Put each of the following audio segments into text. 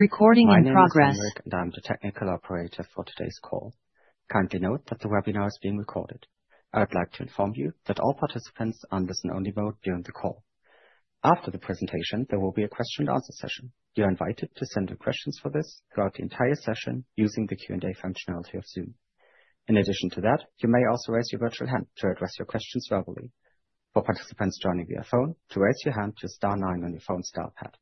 My name is Marek, and I'm the technical operator for today's call. Kindly note that the webinar is being recorded. I would like to inform you that all participants are in listen-only mode during the call. After the presentation, there will be a question-and-answer session. You're invited to send in questions for this throughout the entire session using the Q&A functionality of Zoom. In addition to that, you may also raise your virtual hand to address your questions verbally. For participants joining via phone, to raise your hand, use star nine on your phone's dial pad.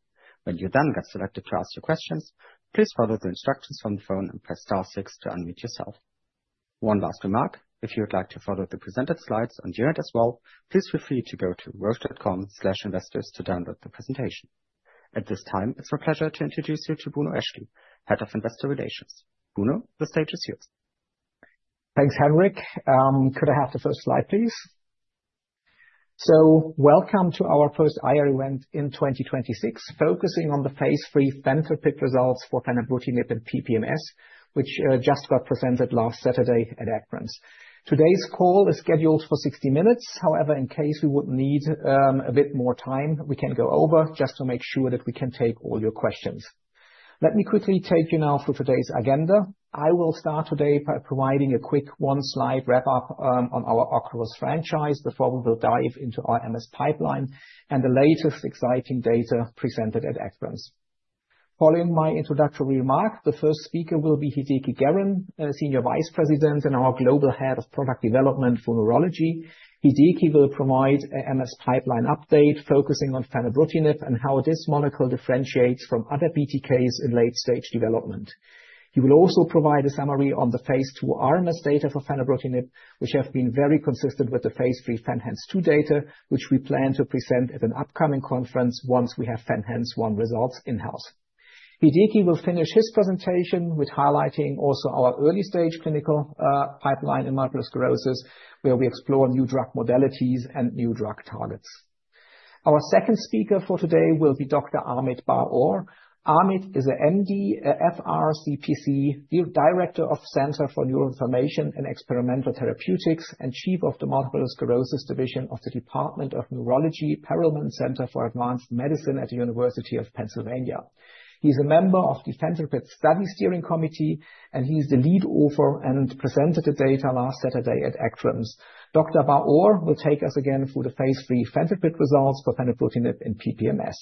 When you then get selected to ask your questions, please follow the instructions from the phone and press star six to unmute yourself. One last remark: if you would like to follow the presented slides on the internet as well, please feel free to go to roche.com/investors to download the presentation. At this time, it's my pleasure to introduce you to Bruno Eschli, Head of Investor Relations. Bruno, the stage is yours. Thanks, Henrik. Could I have the first slide, please? So welcome to our first IR event in 2026, focusing on the phase III FENtrepid results for fenebrutinib and PPMS, which just got presented last Saturday at ACTRIMS. Today's call is scheduled for 60 minutes. However, in case we would need a bit more time, we can go over just to make sure that we can take all your questions. Let me quickly take you now through today's agenda. I will start today by providing a quick one-slide wrap-up on our Ocrevus franchise before we will dive into our MS pipeline and the latest exciting data presented at ACTRIMS. Following my introductory remark, the first speaker will be Hideki Garren, Senior Vice President and our Global Head of Product Development for Neurology. Hideki will provide an MS pipeline update focusing on fenebrutinib and how this molecule differentiates from other BTKs in late-stage development. He will also provide a summary on the phase II RMS data for fenebrutinib, which have been very consistent with the phase III FENhance 2 data, which we plan to present at an upcoming conference once we have FENhance 1 results in-house. Hideki will finish his presentation with highlighting also our early-stage clinical pipeline in multiple sclerosis, where we explore new drug modalities and new drug targets. Our second speaker for today will be Dr. Amit Bar-Or. Amit is an MD, FRCPC, Director of the Center for Neuroinflammation and Experimental Therapeutics, and Chief of the Multiple Sclerosis Division of the Department of Neurology, Perelman Center for Advanced Medicine at the University of Pennsylvania. He's a member of the FENtrepid Study Steering Committee, and he's the lead author and presented the data last Saturday at ACTRIMS. Dr. Bar-Or will take us again through the phase III FENtrepid results for fenebrutinib and PPMS.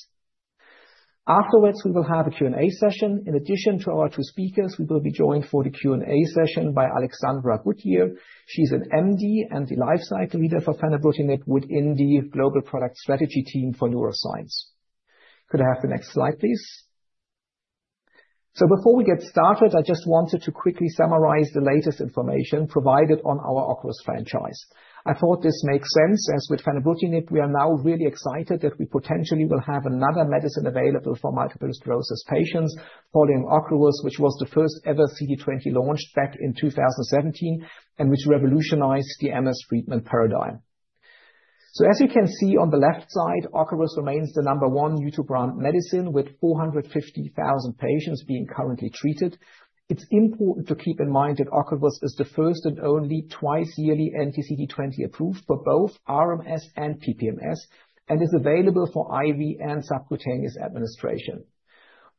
Afterwards, we will have a Q&A session. In addition to our two speakers, we will be joined for the Q&A session by Alexandra Goodyear. She's an MD and the lifecycle leader for fenebrutinib within the Global Product Strategy Team for Neuroscience. Could I have the next slide, please? So before we get started, I just wanted to quickly summarize the latest information provided on our Ocrevus franchise. I thought this makes sense, as with fenebrutinib, we are now really excited that we potentially will have another medicine available for multiple sclerosis patients following Ocrevus, which was the first ever CD20 launched back in 2017 and which revolutionized the MS treatment paradigm. As you can see on the left side, Ocrevus remains the number one new-to-brand medicine with 450,000 patients being currently treated. It's important to keep in mind that Ocrevus is the first and only twice-yearly anti-CD20 approved for both RMS and PPMS and is available for IV and subcutaneous administration.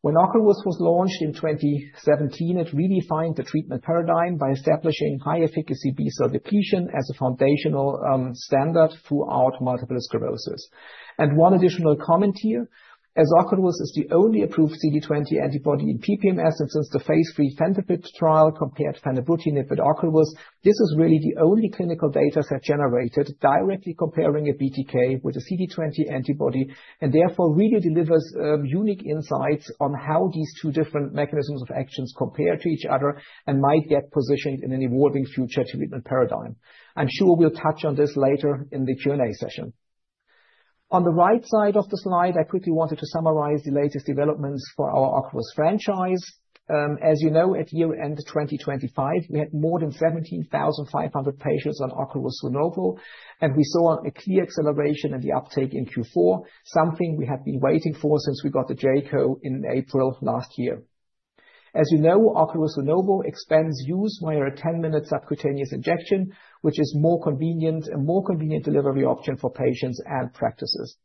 When Ocrevus was launched in 2017, it redefined the treatment paradigm by establishing high-efficacy B-cell depletion as a foundational standard throughout multiple sclerosis. One additional comment here: as Ocrevus is the only approved CD20 antibody in PPMS, and since the phase III FENhance trial compared fenebrutinib with Ocrevus, this is really the only clinical data set generated directly comparing a BTK with a CD20 antibody and therefore really delivers unique insights on how these two different mechanisms of action compare to each other and might get positioned in an evolving future treatment paradigm. I'm sure we'll touch on this later in the Q&A session. On the right side of the slide, I quickly wanted to summarize the latest developments for our Ocrevus franchise. As you know, at year-end 2025, we had more than 17,500 patients on Ocrevus Zunovo, and we saw a clear acceleration in the uptake in Q4, something we had been waiting for since we got the J-code in April last year. As you know, Ocrevus Zunovo expands use via a 10-minute subcutaneous injection, which is a more convenient delivery option for patients and practices.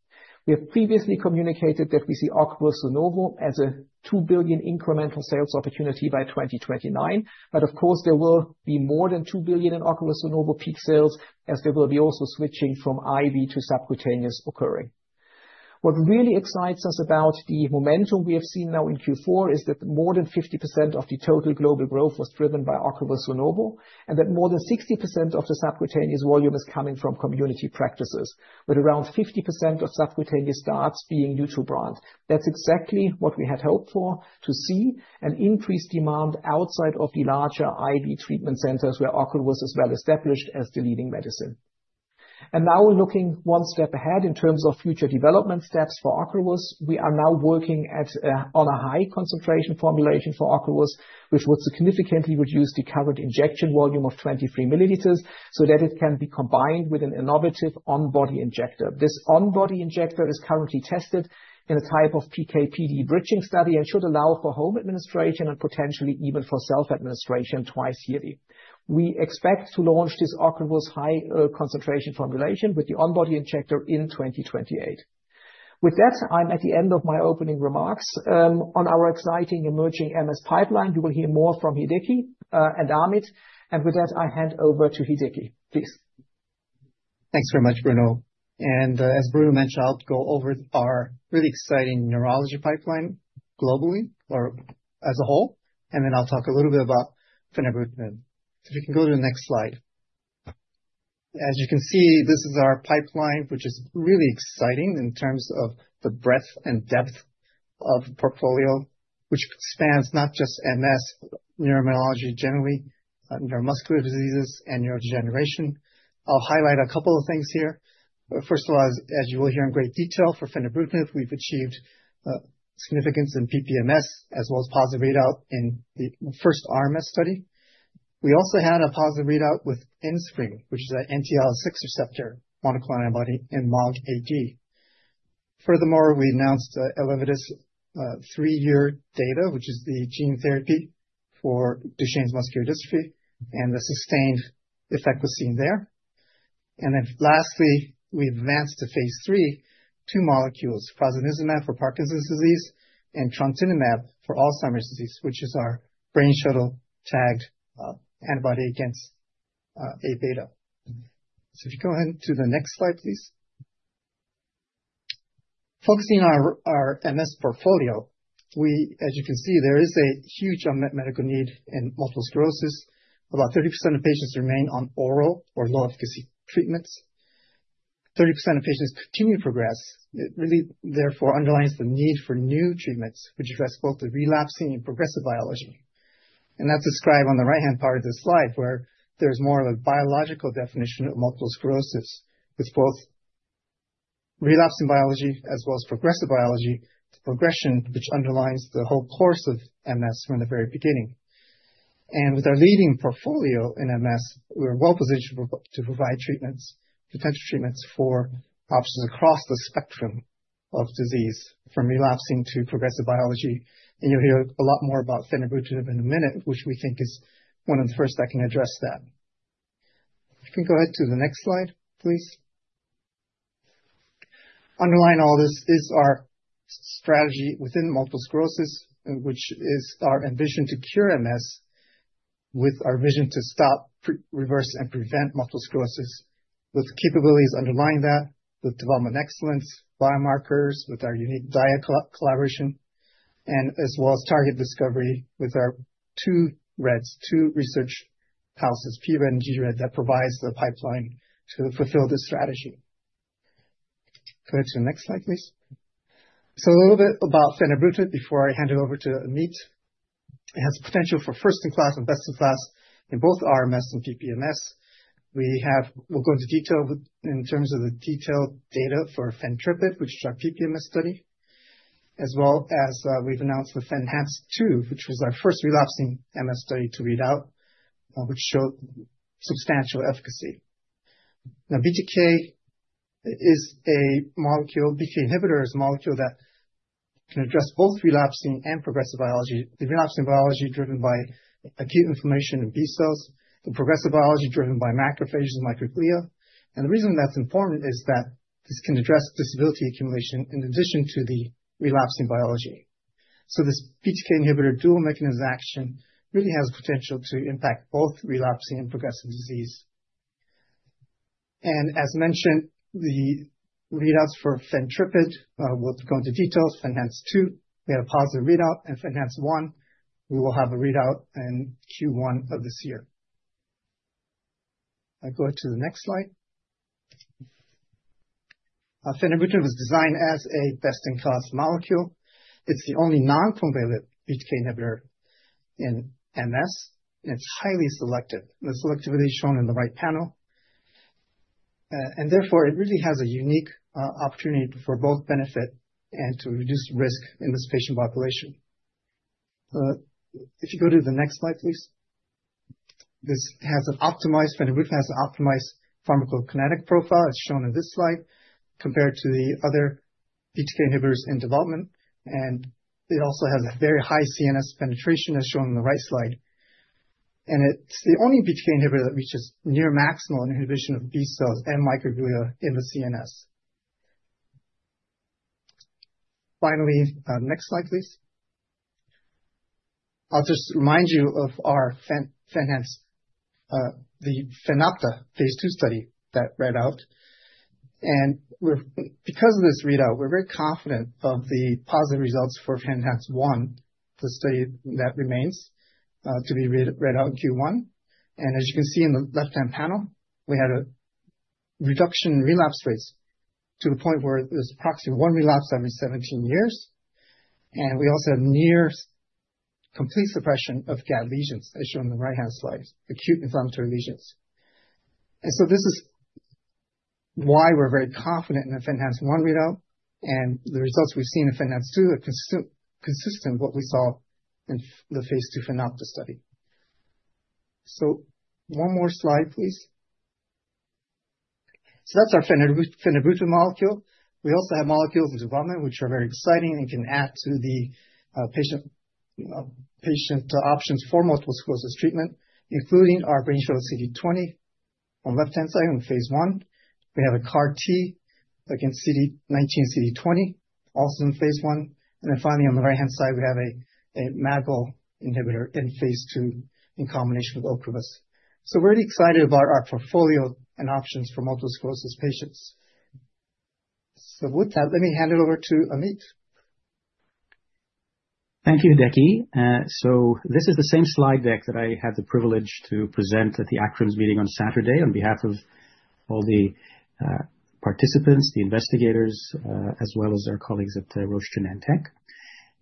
We have previously communicated that we see Ocrevus Zunovo as a 2 billion incremental sales opportunity by 2029. But of course, there will be more than 2 billion in Ocrevus Zunovo peak sales, as there will be also switching from IV to subcutaneous occurring. What really excites us about the momentum we have seen now in Q4 is that more than 50% of the total global growth was driven by Ocrevus Zunovo and that more than 60% of the subcutaneous volume is coming from community practices, with around 50% of subcutaneous starts being new-to-brand. That's exactly what we had hoped for: to see an increased demand outside of the larger IV treatment centers where Ocrevus is well established as the leading medicine. And now looking one step ahead in terms of future development steps for Ocrevus, we are now working on a high-concentration formulation for Ocrevus, which would significantly reduce the current injection volume of 23 mL so that it can be combined with an innovative on-body injector. This on-body injector is currently tested in a type of PKPD bridging study and should allow for home administration and potentially even for self-administration twice yearly. We expect to launch this Ocrevus high-concentration formulation with the on-body injector in 2028. With that, I'm at the end of my opening remarks. On our exciting emerging MS pipeline, you will hear more from Hideki and Amit. And with that, I hand over to Hideki. Please. Thanks very much, Bruno. As Bruno mentioned, I'll go over our really exciting neurology pipeline globally or as a whole, and then I'll talk a little bit about fenebrutinib. If you can go to the next slide. As you can see, this is our pipeline, which is really exciting in terms of the breadth and depth of the portfolio, which spans not just MS, neuromyelitis generally, neuromuscular diseases, and neurodegeneration. I'll highlight a couple of things here. First of all, as you will hear in great detail, for fenebrutinib, we've achieved significance in PPMS as well as positive readout in the first RMS study. We also had a positive readout with Enspryng, which is an IL-6 receptor monoclonal antibody in MOG-AD. Furthermore, we announced Elevidys three-year data, which is the gene therapy for Duchenne's muscular dystrophy and the sustained effectiveness seen there. And then lastly, we've advanced to phase III two molecules: prasinezumab for Parkinson's disease and trontinemab for Alzheimer's disease, which is our Brain Shuttle-tagged antibody against A-beta. So if you go ahead to the next slide, please. Focusing on our MS portfolio, as you can see, there is a huge unmet medical need in multiple sclerosis. About 30% of patients remain on oral or low-efficacy treatments. 30% of patients continue to progress. It really, therefore, underlines the need for new treatments which address both the relapsing and progressive biology. And that's described on the right-hand part of this slide, where there's more of a biological definition of multiple sclerosis, with both relapsing biology as well as progressive biology, the progression which underlines the whole course of MS from the very beginning. With our leading portfolio in MS, we're well positioned to provide treatments, potential treatments for options across the spectrum of disease, from relapsing to progressive biology. You'll hear a lot more about fenebrutinib in a minute, which we think is one of the first that can address that. If you can go ahead to the next slide, please. Underlying all this is our strategy within multiple sclerosis, which is our ambition to cure MS with our vision to stop, reverse, and prevent multiple sclerosis, with capabilities underlying that, with development excellence, biomarkers, with our unique Dia collaboration, and as well as target discovery with our two REDs, two research houses, pRED and gRED, that provides the pipeline to fulfill this strategy. Go ahead to the next slide, please. So a little bit about fenebrutinib before I hand it over to Amit. It has potential for first-in-class and best-in-class in both RMS and PPMS. We'll go into detail in terms of the detailed data for FENtrepid, which is our PPMS study, as well as we've announced the FENhance 2, which was our first relapsing MS study to read out, which showed substantial efficacy. Now, BTK is a molecule BTK inhibitor is a molecule that can address both relapsing and progressive biology, the relapsing biology driven by acute inflammation in B cells, the progressive biology driven by macrophages and microglia. And the reason that's important is that this can address disability accumulation in addition to the relapsing biology. So this BTK inhibitor dual mechanism action really has potential to impact both relapsing and progressive disease. And as mentioned, the readouts for FENtrepid, we'll go into details, FENhance 2. We had a positive readout and FENhance 1. We will have a readout in Q1 of this year. I'll go ahead to the next slide. Fenebrutinib was designed as a best-in-class molecule. It's the only non-covalent BTK inhibitor in MS, and it's highly selective. The selectivity is shown in the right panel. Therefore, it really has a unique opportunity for both benefit and to reduce risk in this patient population. If you go to the next slide, please. Fenebrutinib has an optimized pharmacokinetic profile. It's shown in this slide compared to the other BTK inhibitors in development. And it also has a very high CNS penetration, as shown in the right slide. And it's the only BTK inhibitor that reaches near maximal inhibition of B cells and microglia in the CNS. Finally, next slide, please. I'll just remind you of our FENhance, the FENopta phase II study that read out. Because of this readout, we're very confident of the positive results for FENhance 1, the study that remains to be read out in Q1. As you can see in the left-hand panel, we had a reduction in relapse rates to the point where there's approximately one relapse every 17 years. And we also have near complete suppression of Gd lesions, as shown in the right-hand slide, acute inflammatory lesions. So this is why we're very confident in the FENhance 1 readout. The results we've seen in FENhance 2 are consistent with what we saw in the phase II FENopta study. So one more slide, please. That's our fenebrutinib molecule. We also have molecules in development which are very exciting and can add to the patient options for multiple sclerosis treatment, including our brain shuttle CD20 on the left-hand side in phase I. We have a CAR-T against CD19 and CD20, also in phase I. And then finally, on the right-hand side, we have a MAGL inhibitor in phase II in combination with Ocrevus. So we're really excited about our portfolio and options for multiple sclerosis patients. So with that, let me hand it over to Amit. Thank you, Hideki. So this is the same slide deck that I had the privilege to present at the ACTRIMS meeting on Saturday on behalf of all the participants, the investigators, as well as our colleagues at Roche, Nilesh Mehta.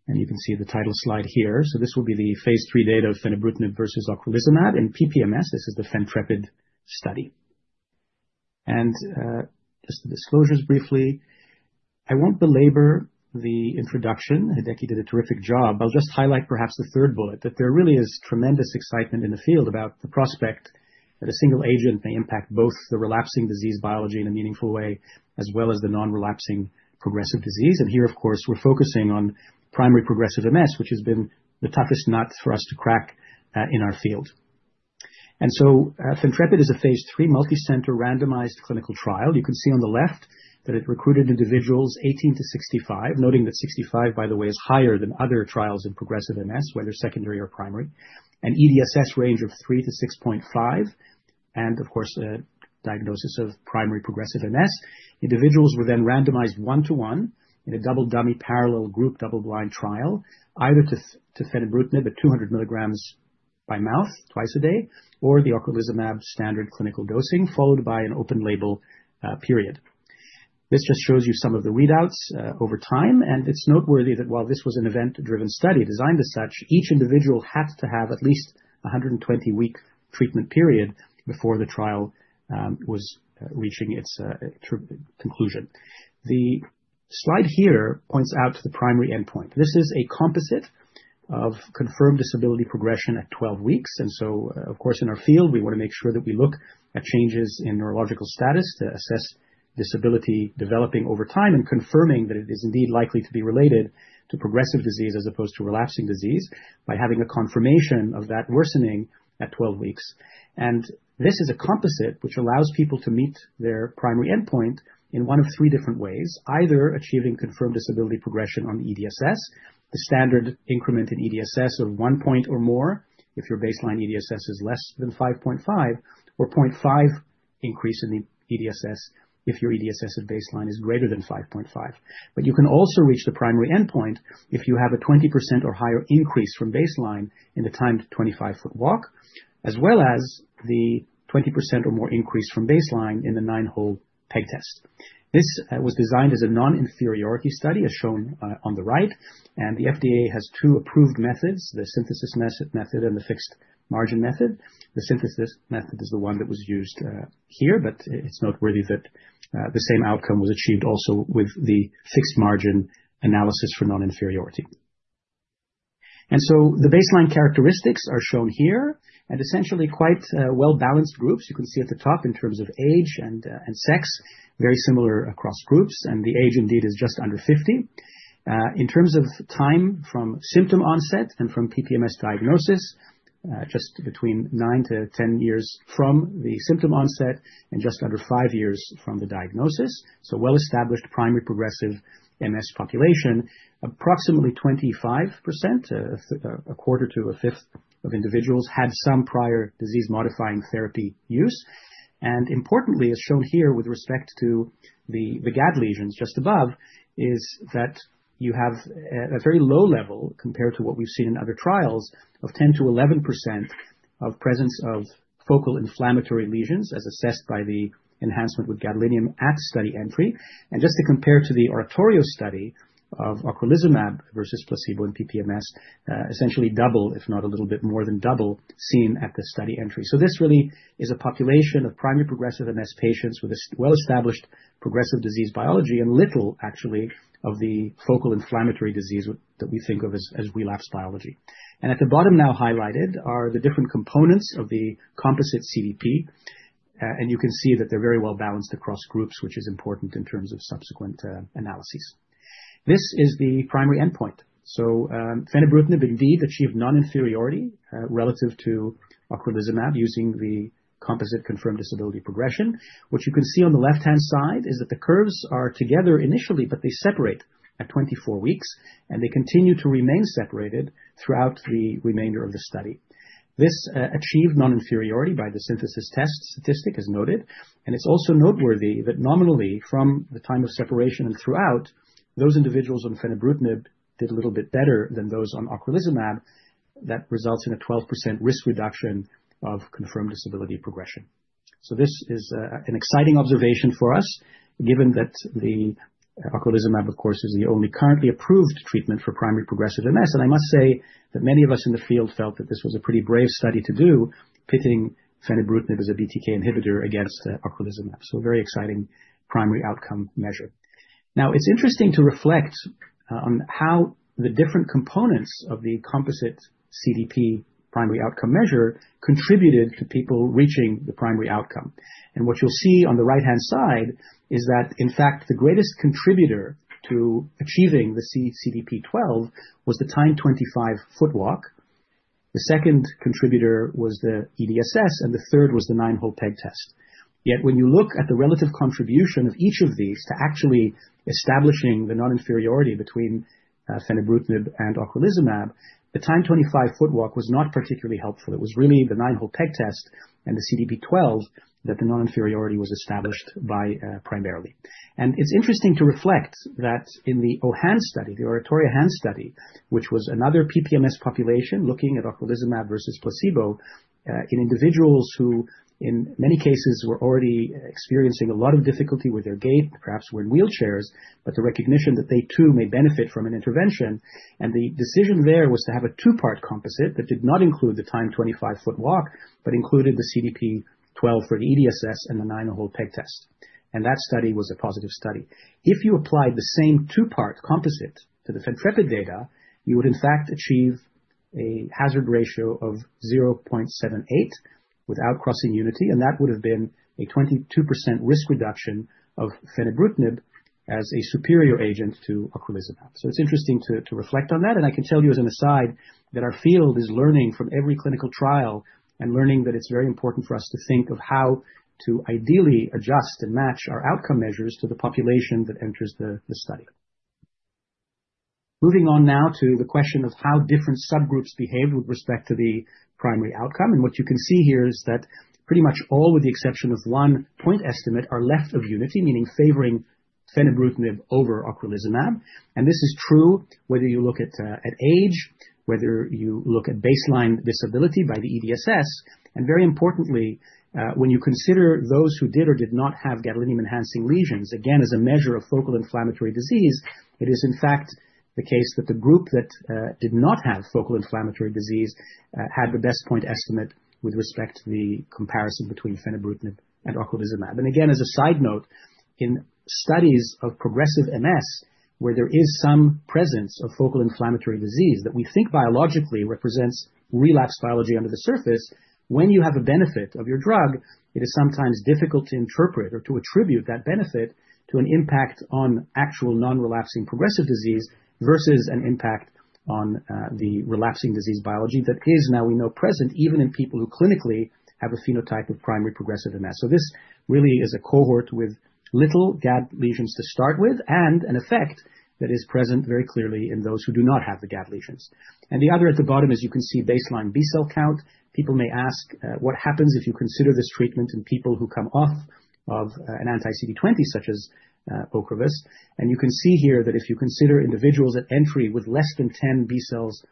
And you can see the title slide here. So this will be the phase III data of fenebrutinib versus ocrelizumab in PPMS. This is the FENtrepid study. And just the disclosures briefly. I won't belabor the introduction. Hideki did a terrific job. I'll just highlight perhaps the third bullet, that there really is tremendous excitement in the field about the prospect that a single agent may impact both the relapsing disease biology in a meaningful way as well as the non-relapsing progressive disease. And here, of course, we're focusing on primary progressive MS, which has been the toughest nut for us to crack in our field. FENtrepid is a phase III multicenter randomized clinical trial. You can see on the left that it recruited individuals 18-65, noting that 65, by the way, is higher than other trials in progressive MS, whether secondary or primary, an EDSS range of 3-6.5, and of course, a diagnosis of primary progressive MS. Individuals were then randomized 1:1 in a double dummy parallel group double-blind trial, either to fenebrutinib at 200 mg by mouth twice a day or the ocrelizumab standard clinical dosing, followed by an open-label period. This just shows you some of the readouts over time. It's noteworthy that while this was an event-driven study designed as such, each individual had to have at least a 120-week treatment period before the trial was reaching its conclusion. The slide here points out to the primary endpoint. This is a composite of confirmed disability progression at 12 weeks. And so, of course, in our field, we want to make sure that we look at changes in neurological status to assess disability developing over time and confirming that it is indeed likely to be related to progressive disease as opposed to relapsing disease by having a confirmation of that worsening at 12 weeks. This is a composite which allows people to meet their primary endpoint in one of three different ways, either achieving confirmed disability progression on EDSS, the standard increment in EDSS of 1 point or more if your baseline EDSS is less than 5.5, or 0.5 increase in the EDSS if your EDSS at baseline is greater than 5.5. But you can also reach the primary endpoint if you have a 20% or higher increase from baseline in the Timed 25-Foot Walk, as well as the 20% or more increase from baseline in the Nine-Hole Peg Test. This was designed as a non-inferiority study, as shown on the right. The FDA has two approved methods, the synthesis method and the fixed margin method. The synthesis method is the one that was used here, but it's noteworthy that the same outcome was achieved also with the fixed margin analysis for non-inferiority. The baseline characteristics are shown here and essentially quite well-balanced groups. You can see at the top in terms of age and sex, very similar across groups. The age indeed is just under 50. In terms of time from symptom onset and from PPMS diagnosis, just between nine to 10 years from the symptom onset and just under five years from the diagnosis, so well-established primary progressive MS population, approximately 25%, a quarter to a fifth of individuals, had some prior disease-modifying therapy use. Importantly, as shown here with respect to the Gd lesions just above, is that you have a very low level compared to what we've seen in other trials of 10%-11% of presence of focal inflammatory lesions as assessed by the enhancement with gadolinium at study entry. Just to compare to the ORATORIO study of ocrelizumab versus placebo in PPMS, essentially double, if not a little bit more than double, seen at the study entry. So this really is a population of primary progressive MS patients with a well-established progressive disease biology and little, actually, of the focal inflammatory disease that we think of as relapse biology. At the bottom now highlighted are the different components of the composite CDP. You can see that they're very well-balanced across groups, which is important in terms of subsequent analyses. This is the primary endpoint. So fenebrutinib indeed achieved non-inferiority relative to ocrelizumab using the composite confirmed disability progression. What you can see on the left-hand side is that the curves are together initially, but they separate at 24 weeks. They continue to remain separated throughout the remainder of the study. This achieved non-inferiority by the synthesis test statistic, as noted. It's also noteworthy that nominally, from the time of separation and throughout, those individuals on fenebrutinib did a little bit better than those on ocrelizumab. That results in a 12% risk reduction of confirmed disability progression. This is an exciting observation for us, given that the ocrelizumab, of course, is the only currently approved treatment for primary progressive MS. I must say that many of us in the field felt that this was a pretty brave study to do, pitting fenebrutinib as a BTK inhibitor against ocrelizumab. It's a very exciting primary outcome measure. Now, it's interesting to reflect on how the different components of the composite CDP primary outcome measure contributed to people reaching the primary outcome. What you'll see on the right-hand side is that, in fact, the greatest contributor to achieving the CDP12 was the Timed 25-Foot Walk. The second contributor was the EDSS, and the third was the Nine-Hole Peg Test. Yet when you look at the relative contribution of each of these to actually establishing the non-inferiority between fenebrutinib and ocrelizumab, the Timed 25-Foot Walk was not particularly helpful. It was really the Nine-Hole Peg Test and the CDP12 that the non-inferiority was established by primarily. And it's interesting to reflect that in the ORATORIO-HAND study, the ORATORIO-HAND study, which was another PPMS population looking at ocrelizumab versus placebo in individuals who, in many cases, were already experiencing a lot of difficulty with their gait, perhaps were in wheelchairs, but the recognition that they too may benefit from an intervention. And the decision there was to have a two-part composite that did not include the Timed 25-Foot Walk, but included the CDP12 for the EDSS and the Nine-Hole Peg Test. That study was a positive study. If you applied the same two-part composite to the FENtrepid data, you would, in fact, achieve a hazard ratio of 0.78 without crossing unity. That would have been a 22% risk reduction of fenebrutinib as a superior agent to ocrelizumab. It's interesting to reflect on that. I can tell you, as an aside, that our field is learning from every clinical trial and learning that it's very important for us to think of how to ideally adjust and match our outcome measures to the population that enters the study. Moving on now to the question of how different subgroups behaved with respect to the primary outcome. What you can see here is that pretty much all, with the exception of one point estimate, are left of unity, meaning favoring fenebrutinib over ocrelizumab. And this is true whether you look at age, whether you look at baseline disability by the EDSS. And very importantly, when you consider those who did or did not have gadolinium-enhancing lesions, again, as a measure of focal inflammatory disease, it is, in fact, the case that the group that did not have focal inflammatory disease had the best point estimate with respect to the comparison between fenebrutinib and ocrelizumab. And again, as a side note, in studies of progressive MS where there is some presence of focal inflammatory disease that we think biologically represents relapse biology under the surface, when you have a benefit of your drug, it is sometimes difficult to interpret or to attribute that benefit to an impact on actual non-relapsing progressive disease versus an impact on the relapsing disease biology that is now, we know, present even in people who clinically have a phenotype of primary progressive MS. So this really is a cohort with little Gd lesions to start with and an effect that is present very clearly in those who do not have the Gd lesions. And the other at the bottom is, you can see, baseline B cell count. People may ask, what happens if you consider this treatment in people who come off of an anti-CD20, such as Ocrevus? You can see here that if you consider individuals at entry with less than 10 B cells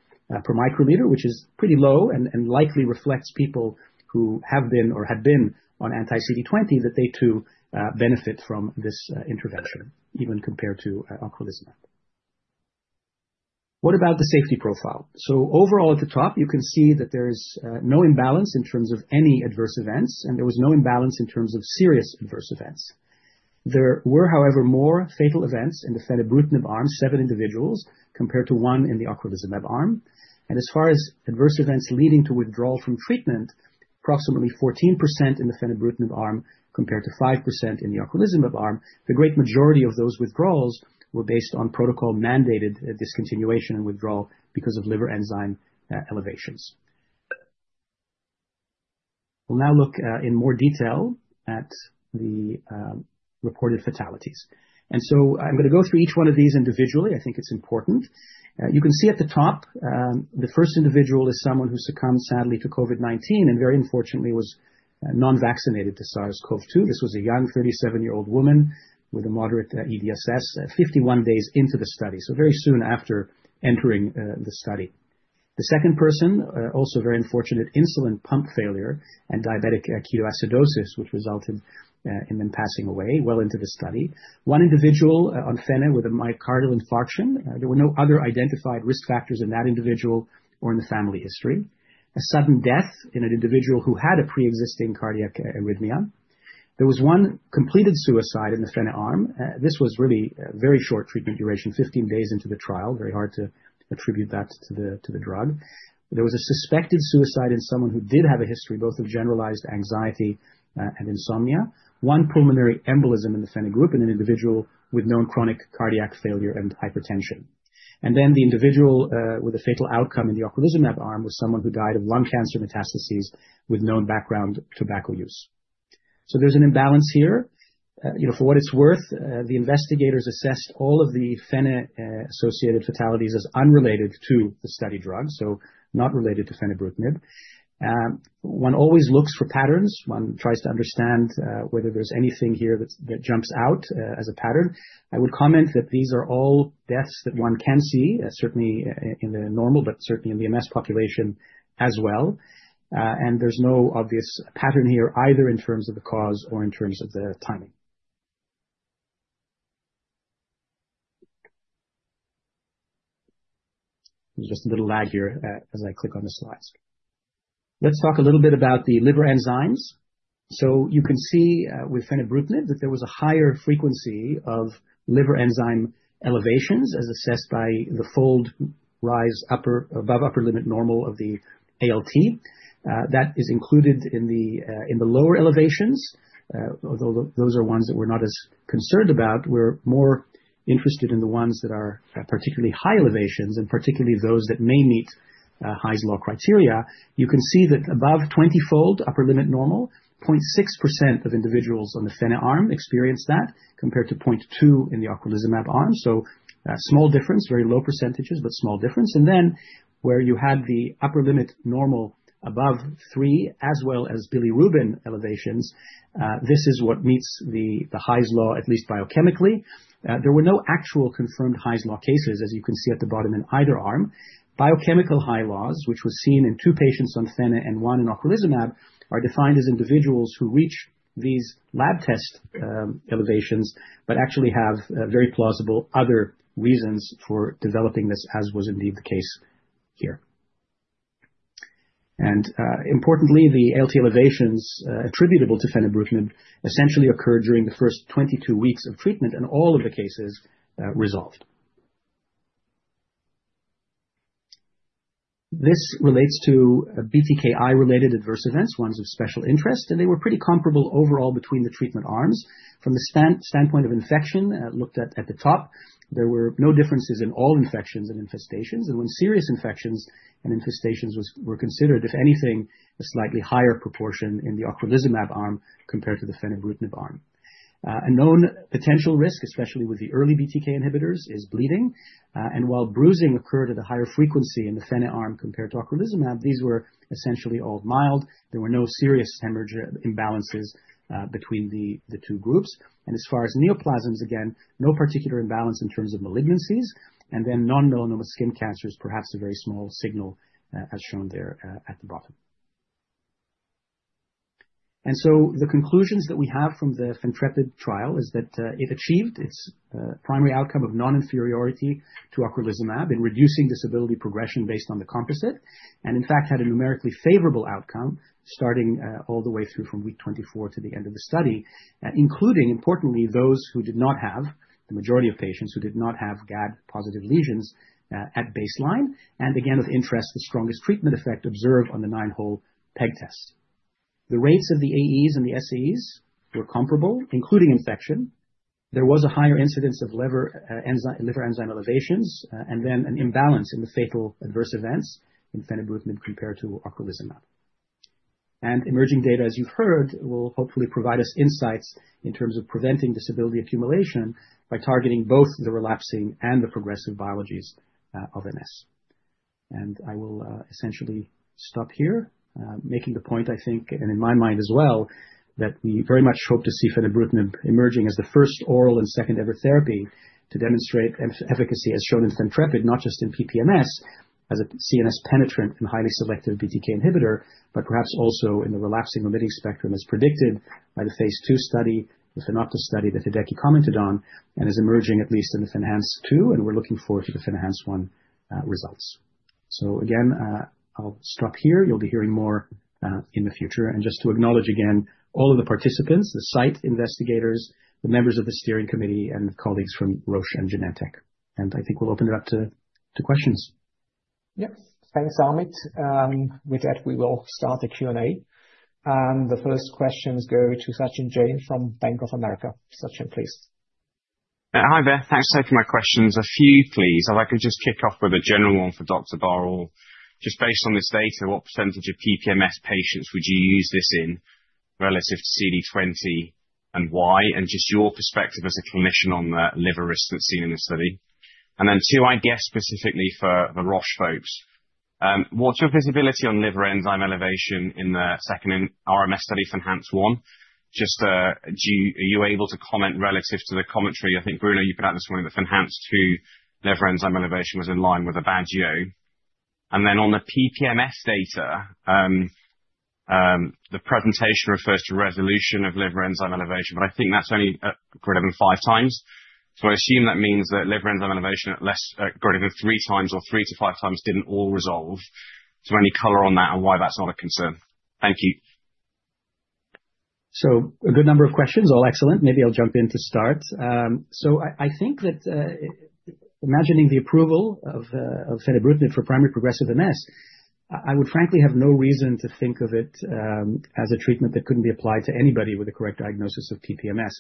per microliter, which is pretty low and likely reflects people who have been or had been on anti-CD20, that they too benefit from this intervention, even compared to ocrelizumab. What about the safety profile? So overall, at the top, you can see that there is no imbalance in terms of any adverse events. And there was no imbalance in terms of serious adverse events. There were, however, more fatal events in the fenebrutinib arm, 7 individuals, compared to 1 in the ocrelizumab arm. And as far as adverse events leading to withdrawal from treatment, approximately 14% in the fenebrutinib arm compared to 5% in the ocrelizumab arm, the great majority of those withdrawals were based on protocol-mandated discontinuation and withdrawal because of liver enzyme elevations. We'll now look in more detail at the reported fatalities. So I'm going to go through each one of these individually. I think it's important. You can see at the top, the first individual is someone who succumbed, sadly, to COVID-19 and very unfortunately was non-vaccinated to SARS-CoV-2. This was a young 37-year-old woman with a moderate EDSS, 51 days into the study, so very soon after entering the study. The second person, also very unfortunate, insulin pump failure and diabetic ketoacidosis, which resulted in them passing away well into the study. One individual on fenebrutinib with a myocardial infarction. There were no other identified risk factors in that individual or in the family history. A sudden death in an individual who had a preexisting cardiac arrhythmia. There was one completed suicide in the fenebrutinib arm. This was really a very short treatment duration, 15 days into the trial. Very hard to attribute that to the drug. There was a suspected suicide in someone who did have a history both of generalized anxiety and insomnia, one pulmonary embolism in the fene group, and an individual with known chronic cardiac failure and hypertension. And then the individual with a fatal outcome in the ocrelizumab arm was someone who died of lung cancer metastases with known background tobacco use. So there's an imbalance here. For what it's worth, the investigators assessed all of the fene-associated fatalities as unrelated to the study drug, so not related to fenebrutinib. One always looks for patterns. One tries to understand whether there's anything here that jumps out as a pattern. I would comment that these are all deaths that one can see, certainly in the normal, but certainly in the MS population as well. There's no obvious pattern here either in terms of the cause or in terms of the timing. There's just a little lag here as I click on the slides. Let's talk a little bit about the liver enzymes. So you can see with fenebrutinib that there was a higher frequency of liver enzyme elevations as assessed by the fold rise above upper limit normal of the ALT. That is included in the lower elevations, although those are ones that we're not as concerned about. We're more interested in the ones that are particularly high elevations and particularly those that may meet Hy's Law criteria. You can see that above 20-fold upper limit normal, 0.6% of individuals on the fenebrutinib arm experienced that compared to 0.2% in the ocrelizumab arm. So small difference, very low percentages, but small difference. Then where you had the upper limit normal above 3% as well as bilirubin elevations, this is what meets the Hy's Law, at least biochemically. There were no actual confirmed Hy's Law cases, as you can see at the bottom, in either arm. Biochemical Hy's Law, which was seen in two patients on fenebrutinib and one in ocrelizumab, are defined as individuals who reach these lab test elevations but actually have very plausible other reasons for developing this, as was indeed the case here. And importantly, the ALT elevations attributable to fenebrutinib essentially occurred during the first 22 weeks of treatment. And all of the cases resolved. This relates to BTKI-related adverse events, ones of special interest. And they were pretty comparable overall between the treatment arms. From the standpoint of infection looked at at the top, there were no differences in all infections and infestations. And when serious infections and infestations were considered, if anything, a slightly higher proportion in the ocrelizumab arm compared to the fenebrutinib arm. A known potential risk, especially with the early BTK inhibitors, is bleeding. And while bruising occurred at a higher frequency in the fena arm compared to ocrelizumab, these were essentially all mild. There were no serious hemorrhage imbalances between the two groups. And as far as neoplasms, again, no particular imbalance in terms of malignancies. And then non-melanoma skin cancers, perhaps a very small signal, as shown there at the bottom. The conclusions that we have from the FENtrepid trial is that it achieved its primary outcome of non-inferiority to ocrelizumab in reducing disability progression based on the composite and, in fact, had a numerically favorable outcome starting all the way through from week 24 to the end of the study, including, importantly, those who did not have, the majority of patients who did not have gadolinium-positive lesions at baseline and, again, of interest, the strongest treatment effect observed on the Nine-Hole Peg Test. The rates of the AEs and the SEs were comparable, including infection. There was a higher incidence of liver enzyme elevations and then an imbalance in the fatal adverse events in fenebrutinib compared to ocrelizumab. Emerging data, as you've heard, will hopefully provide us insights in terms of preventing disability accumulation by targeting both the relapsing and the progressive biologies of MS. And I will essentially stop here, making the point, I think, and in my mind as well, that we very much hope to see fenebrutinib emerging as the first oral and second-ever therapy to demonstrate efficacy, as shown in FENtrepid, not just in PPMS as a CNS-penetrant and highly selective BTK inhibitor, but perhaps also in the relapsing-remitting spectrum as predicted by the phase II study, the FENopta study that Hideki commented on, and as emerging, at least, in the FENhance 2. And we're looking forward to the FENhance 1 results. So again, I'll stop here. You'll be hearing more in the future. And just to acknowledge again all of the participants, the site investigators, the members of the steering committee, and colleagues from Roche and Genentech. And I think we'll open it up to questions. Yes. Thanks, Amit, with that, we will start the Q&A. The first questions go to Sachin Jain from Bank of America. Sachin, please. Hi there. Thanks for taking my questions. A few, please. If I could just kick off with a general one for Dr. Bar-Or, just based on this data, what percentage of PPMS patients would you use this in relative to CD20 and why, and just your perspective as a clinician on the liver risk that's seen in this study? And then two, I guess, specifically for the Roche folks. What's your visibility on liver enzyme elevation in the second RMS study, FENhance 1? Just are you able to comment relative to the commentary? I think, Bruno, you put out this morning that FENhance 2 liver enzyme elevation was in line with placebo. And then on the PPMS data, the presentation refers to resolution of liver enzyme elevation, but I think that's only greater than 5x. So I assume that means that liver enzyme elevations greater than 3x or 3-5x times didn't all resolve. So any color on that and why that's not a concern? Thank you. A good number of questions. All excellent. Maybe I'll jump in to start. I think that imagining the approval of fenebrutinib for primary progressive MS, I would frankly have no reason to think of it as a treatment that couldn't be applied to anybody with a correct diagnosis of PPMS.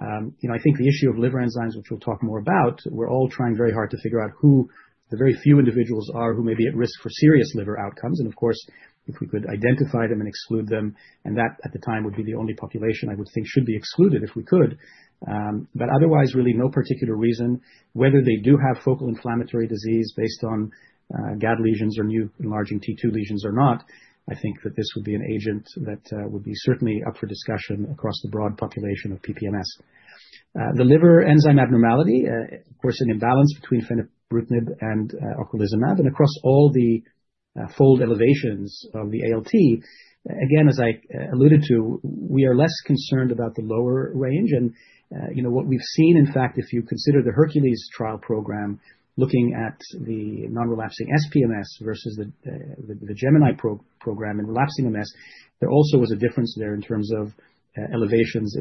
I think the issue of liver enzymes, which we'll talk more about, we're all trying very hard to figure out who the very few individuals are who may be at risk for serious liver outcomes. And of course, if we could identify them and exclude them, and that at the time would be the only population I would think should be excluded if we could. But otherwise, really, no particular reason. Whether they do have focal inflammatory disease based on GAD lesions or new enlarging T2 lesions or not, I think that this would be an agent that would be certainly up for discussion across the broad population of PPMS. The liver enzyme abnormality, of course, an imbalance between fenebrutinib and ocrelizumab, and across all the fold elevations of the ALT, again, as I alluded to, we are less concerned about the lower range. And what we've seen, in fact, if you consider the HERCULES trial program looking at the non-relapsing SPMS versus the GEMINI program in relapsing MS, there also was a difference there in terms of elevations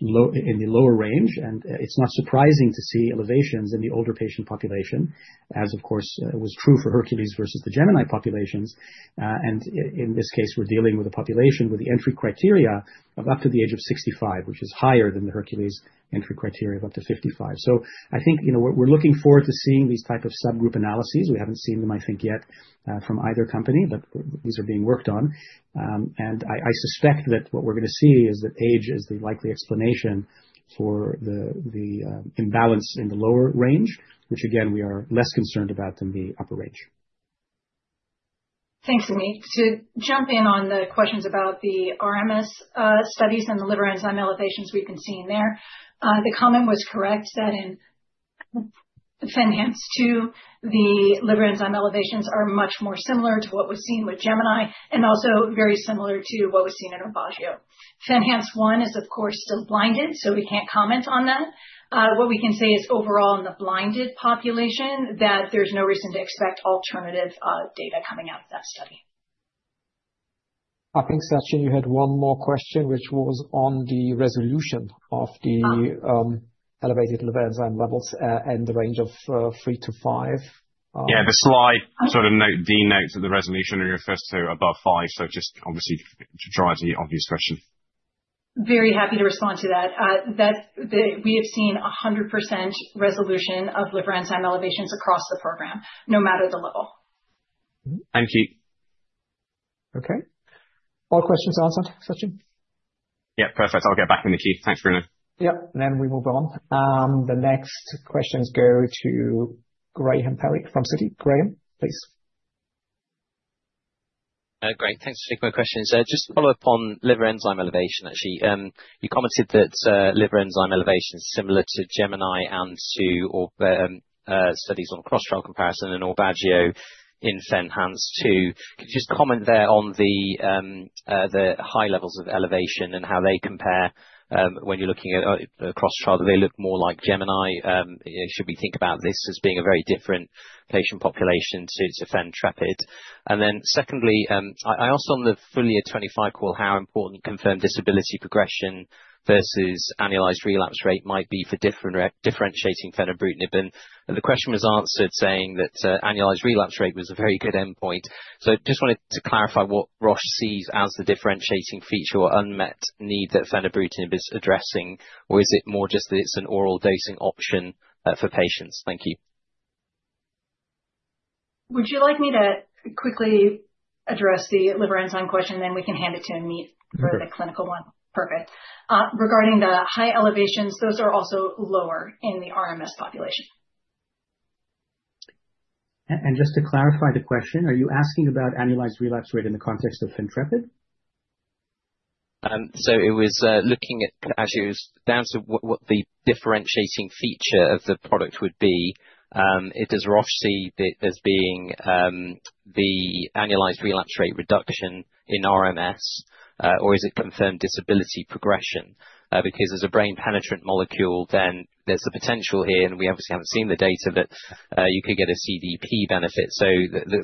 in the lower range. And it's not surprising to see elevations in the older patient population, as, of course, was true for HERCULES versus the GEMINI populations. In this case, we're dealing with a population with the entry criteria of up to the age of 65, which is higher than the HERCULES entry criteria of up to 55. So I think we're looking forward to seeing these type of subgroup analyses. We haven't seen them, I think, yet from either company, but these are being worked on. And I suspect that what we're going to see is that age is the likely explanation for the imbalance in the lower range, which, again, we are less concerned about than the upper range. Thanks, Amit. To jump in on the questions about the RMS studies and the liver enzyme elevations we've been seeing there, the comment was correct that in FENhance 2, the liver enzyme elevations are much more similar to what was seen with GEMINI and also very similar to what was seen in Evobrutinib. FENhance 1 is, of course, still blinded, so we can't comment on that. What we can say is overall, in the blinded population, that there's no reason to expect alternative data coming out of that study. I think, Sachin, you had one more question, which was on the resolution of the elevated liver enzyme levels and the range of three to five. Yeah. The slide sort of denotes that the resolution refers to above five. So just obviously to try to answer your question. Very happy to respond to that. We have seen 100% resolution of liver enzyme elevations across the program, no matter the level. Thank you. Okay. All questions answered, Sachin? Yeah. Perfect. I'll get back in, Keith. Thanks, Bruno. Yep. And then we move on. The next questions go to Graham Parry from Citi. Graham, please. Great. Thanks for taking my questions. Just to follow up on liver enzyme elevation, actually, you commented that liver enzyme elevation is similar to GEMINI and to studies on a cross-trial comparison and Ocrevus in FENhance 2. Could you just comment there on the high levels of elevation and how they compare when you're looking at a cross-trial, that they look more like GEMINI? Should we think about this as being a very different patient population to FENtrepid? And then secondly, I asked on the full year 25 call how important confirmed disability progression versus annualized relapse rate might be for differentiating fenebrutinib. And the question was answered saying that annualized relapse rate was a very good endpoint. I just wanted to clarify what Roche sees as the differentiating feature or unmet need that fenebrutinib is addressing, or is it more just that it's an oral dosing option for patients? Thank you. Would you like me to quickly address the liver enzyme question, then we can hand it to Amit for the clinical one? Yes. Perfect. Regarding the high elevations, those are also lower in the RMS population. And just to clarify the question, are you asking about annualized relapse rate in the context of FENtrepid? As we drill down to what the differentiating feature of the product would be, does Roche see that as being the annualized relapse rate reduction in RMS, or is it confirmed disability progression? Because as a brain-penetrant molecule, then there's a potential here, and we obviously haven't seen the data, that you could get a CDP benefit. So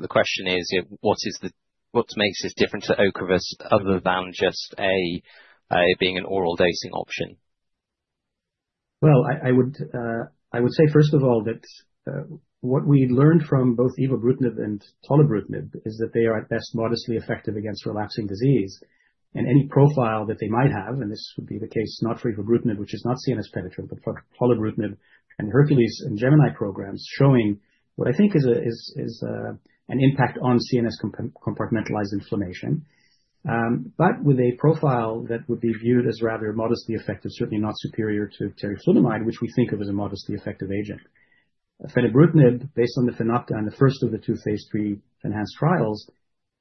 the question is, what makes this different to Ocrevus other than just it being an oral dosing option? Well, I would say, first of all, that what we learned from both evobrutinib and tolebrutinib is that they are at best modestly effective against relapsing disease. And any profile that they might have, and this would be the case not for evobrutinib, which is not CNS-penetrant, but for tolebrutinib and HERCULES and GEMINI programs, showing what I think is an impact on CNS-compartmentalized inflammation, but with a profile that would be viewed as rather modestly effective, certainly not superior to teriflunomide, which we think of as a modestly effective agent. Fenebrutinib, based on the FENopta and the first of the two phase III FENhance trials,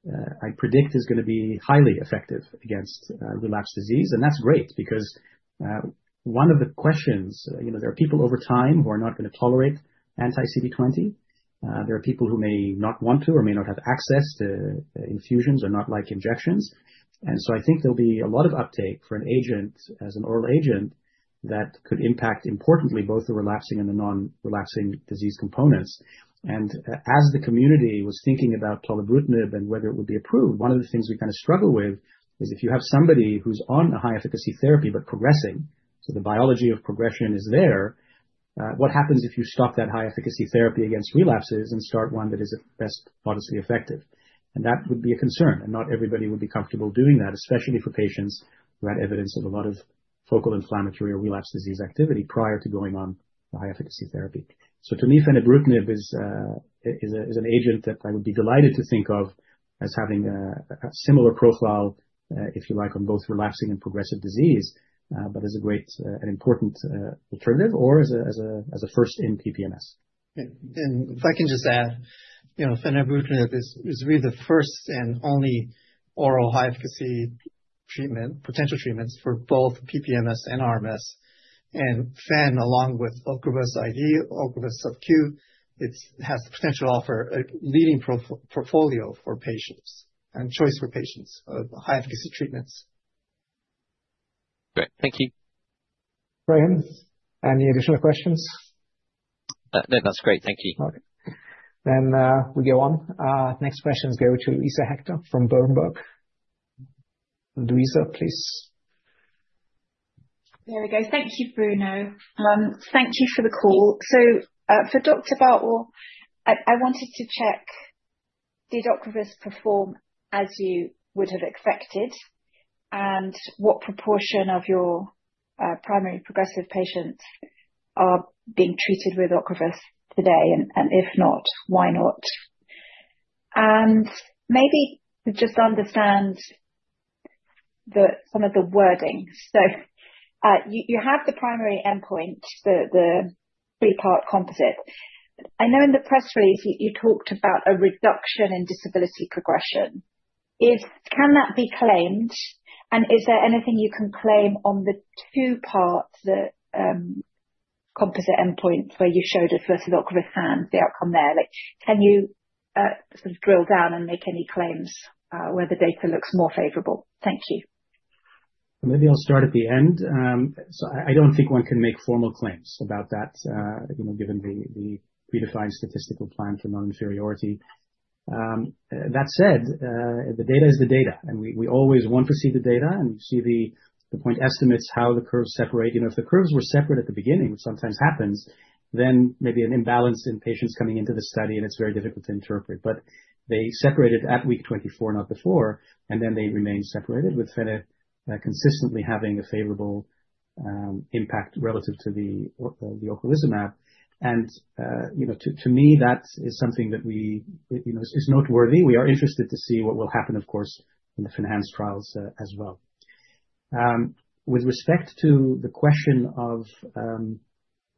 I predict is going to be highly effective against relapsed disease. And that's great because one of the questions there are people over time who are not going to tolerate anti-CD20. There are people who may not want to or may not have access to infusions or not like injections. And so I think there'll be a lot of uptake for an agent as an oral agent that could impact importantly both the relapsing and the non-relapsing disease components. And as the community was thinking about tolebrutinib and whether it would be approved, one of the things we kind of struggle with is if you have somebody who's on a high-efficacy therapy but progressing - so the biology of progression is there - what happens if you stop that high-efficacy therapy against relapses and start one that is at best modestly effective? And that would be a concern. And not everybody would be comfortable doing that, especially for patients who had evidence of a lot of focal inflammatory or relapse disease activity prior to going on the high-efficacy therapy. To me, fenebrutinib is an agent that I would be delighted to think of as having a similar profile, if you like, on both relapsing and progressive disease, but as an important alternative or as a first in PPMS. And if I can just add, fenebrutinib is really the first and only oral high-efficacy potential treatments for both PPMS and RMS. And FEN, along with Ocrevus IV, Ocrevus sub-Q, has the potential to offer a leading portfolio for patients and choice for patients of high-efficacy treatments. Great. Thank you. Graham, any additional questions? No, that's great. Thank you. Okay. Then we go on. Next questions go to Luisa Hector from Berenberg. Luisa, please. There we go. Thank you, Bruno. Thank you for the call. So for Dr. Bar-Or, I wanted to check, did Ocrevus perform as you would have expected, and what proportion of your primary progressive patients are being treated with Ocrevus today? And if not, why not? And maybe to just understand some of the wording. So you have the primary endpoint, the three-part composite. I know in the press release, you talked about a reduction in disability progression. Can that be claimed, and is there anything you can claim on the two-part composite endpoint where you showed it versus Ocrevus and the outcome there? Can you sort of drill down and make any claims where the data looks more favorable? Thank you. Maybe I'll start at the end. So I don't think one can make formal claims about that, given the predefined statistical plan for non-inferiority. That said, the data is the data. And we always want to see the data. And you see the point estimates how the curves separate. If the curves were separate at the beginning, which sometimes happens, then maybe an imbalance in patients coming into the study, and it's very difficult to interpret. But they separated at week 24, not before, and then they remained separated, with fenebrutinib consistently having a favorable impact relative to the ocrelizumab. And to me, that is something that is noteworthy. We are interested to see what will happen, of course, in the FENhance trials as well. With respect to the question of,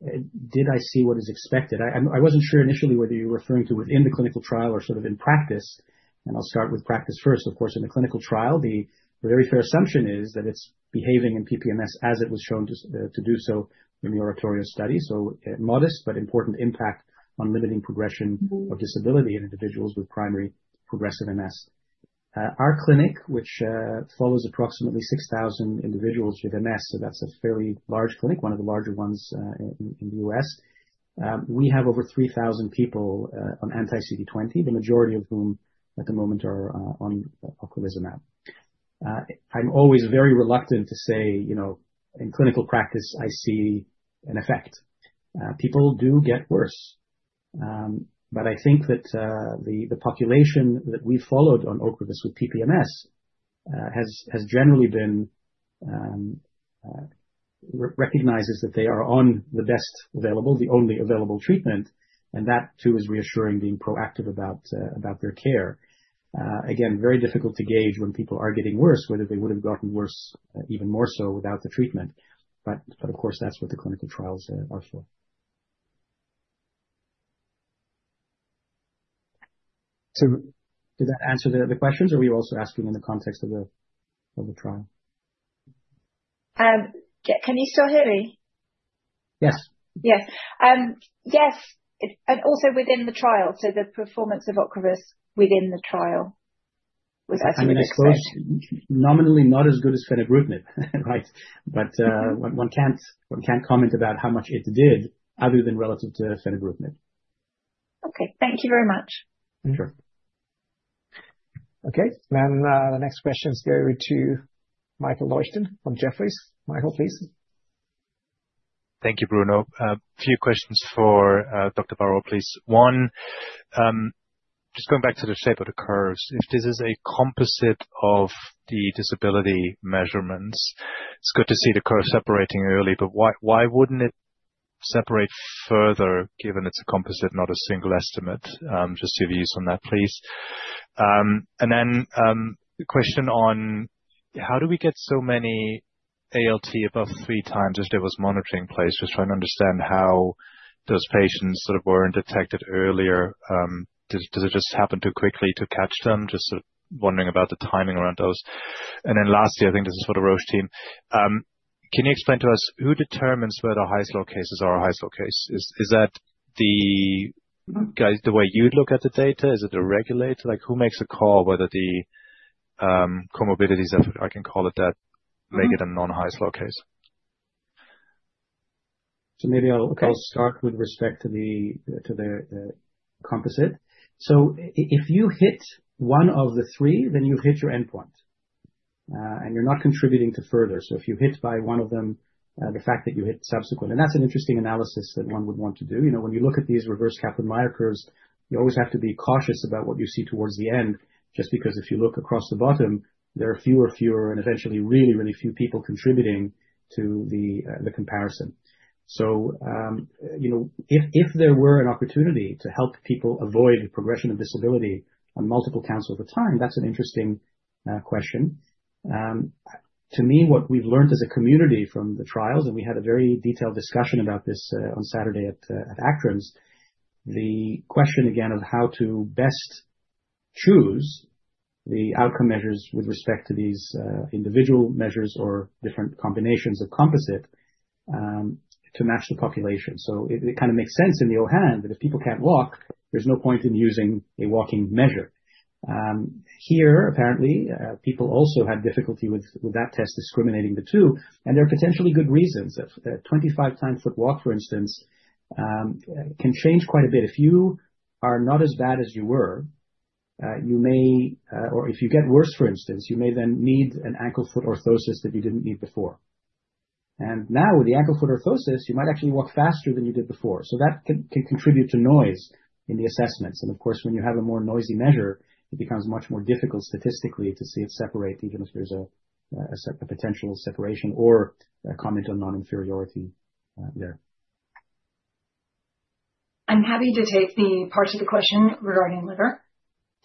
"Did I see what is expected?" I wasn't sure initially whether you were referring to within the clinical trial or sort of in practice. And I'll start with practice first. Of course, in the clinical trial, the very fair assumption is that it's behaving in PPMS as it was shown to do so in the ORATORIO study. So modest but important impact on limiting progression of disability in individuals with primary progressive MS. Our clinic, which follows approximately 6,000 individuals with MS - so that's a fairly large clinic, one of the larger ones in the U.S. - we have over 3,000 people on anti-CD20, the majority of whom at the moment are on Ocrelizumab. I'm always very reluctant to say, "In clinical practice, I see an effect." People do get worse. But I think that the population that we've followed on Ocrevus with PPMS generally recognizes that they are on the best available, the only available treatment. And that too is reassuring, being proactive about their care. Again, very difficult to gauge when people are getting worse, whether they would have gotten worse even more so without the treatment. But of course, that's what the clinical trials are for. So did that answer the questions, or were you also asking in the context of the trial? Can you still hear me? Yes. Yes. Yes. And also within the trial, so the performance of Ocrevus within the trial was as good as possible? I mean, it's close, nominally not as good as fenebrutinib, right? But one can't comment about how much it did other than relative to fenebrutinib. Okay. Thank you very much. Sure. Okay. Then the next questions go to Michael Leuchten from Jefferies. Michael, please. Thank you, Bruno. A few questions for Dr. Bar-Or, please. One, just going back to the shape of the curves. If this is a composite of the disability measurements, it's good to see the curve separating early, but why wouldn't it separate further given it's a composite, not a single estimate? Just your views on that, please. And then the question on, "How do we get so many ALT above 3 times if there was monitoring in place?" Just trying to understand how those patients sort of weren't detected earlier. Does it just happen too quickly to catch them? Just sort of wondering about the timing around those. And then lastly, I think this is for the Roche team. Can you explain to us who determines whether Hy's Law cases are a Hy's Law case? Is that the way you'd look at the data? Is it a regulator? Who makes a call whether the comorbidities, if I can call it that, make it a non-Hy’s Law case? So maybe I'll start with respect to the composite. So if you hit one of the three, then you've hit your endpoint, and you're not contributing to further. So if you hit by one of them, the fact that you hit subsequent and that's an interesting analysis that one would want to do. When you look at these reverse Kaplan-Meier curves, you always have to be cautious about what you see towards the end, just because if you look across the bottom, there are fewer and fewer and eventually really, really few people contributing to the comparison. So if there were an opportunity to help people avoid the progression of disability on multiple counts over time, that's an interesting question. To me, what we've learned as a community from the trials—and we had a very detailed discussion about this on Saturday at ACTRIMS—the question, again, of how to best choose the outcome measures with respect to these individual measures or different combinations of composite to match the population. So it kind of makes sense on the one hand that if people can't walk, there's no point in using a walking measure. Here, apparently, people also had difficulty with that test discriminating the two. And there are potentially good reasons. A Timed 25-Foot Walk, for instance, can change quite a bit. If you are not as bad as you were, you may, or if you get worse, for instance, you may then need an ankle-foot orthosis that you didn't need before. And now, with the ankle-foot orthosis, you might actually walk faster than you did before. So that can contribute to noise in the assessments. And of course, when you have a more noisy measure, it becomes much more difficult statistically to see it separate, even if there's a potential separation or comment on non-inferiority there. I'm happy to take the part of the question regarding liver.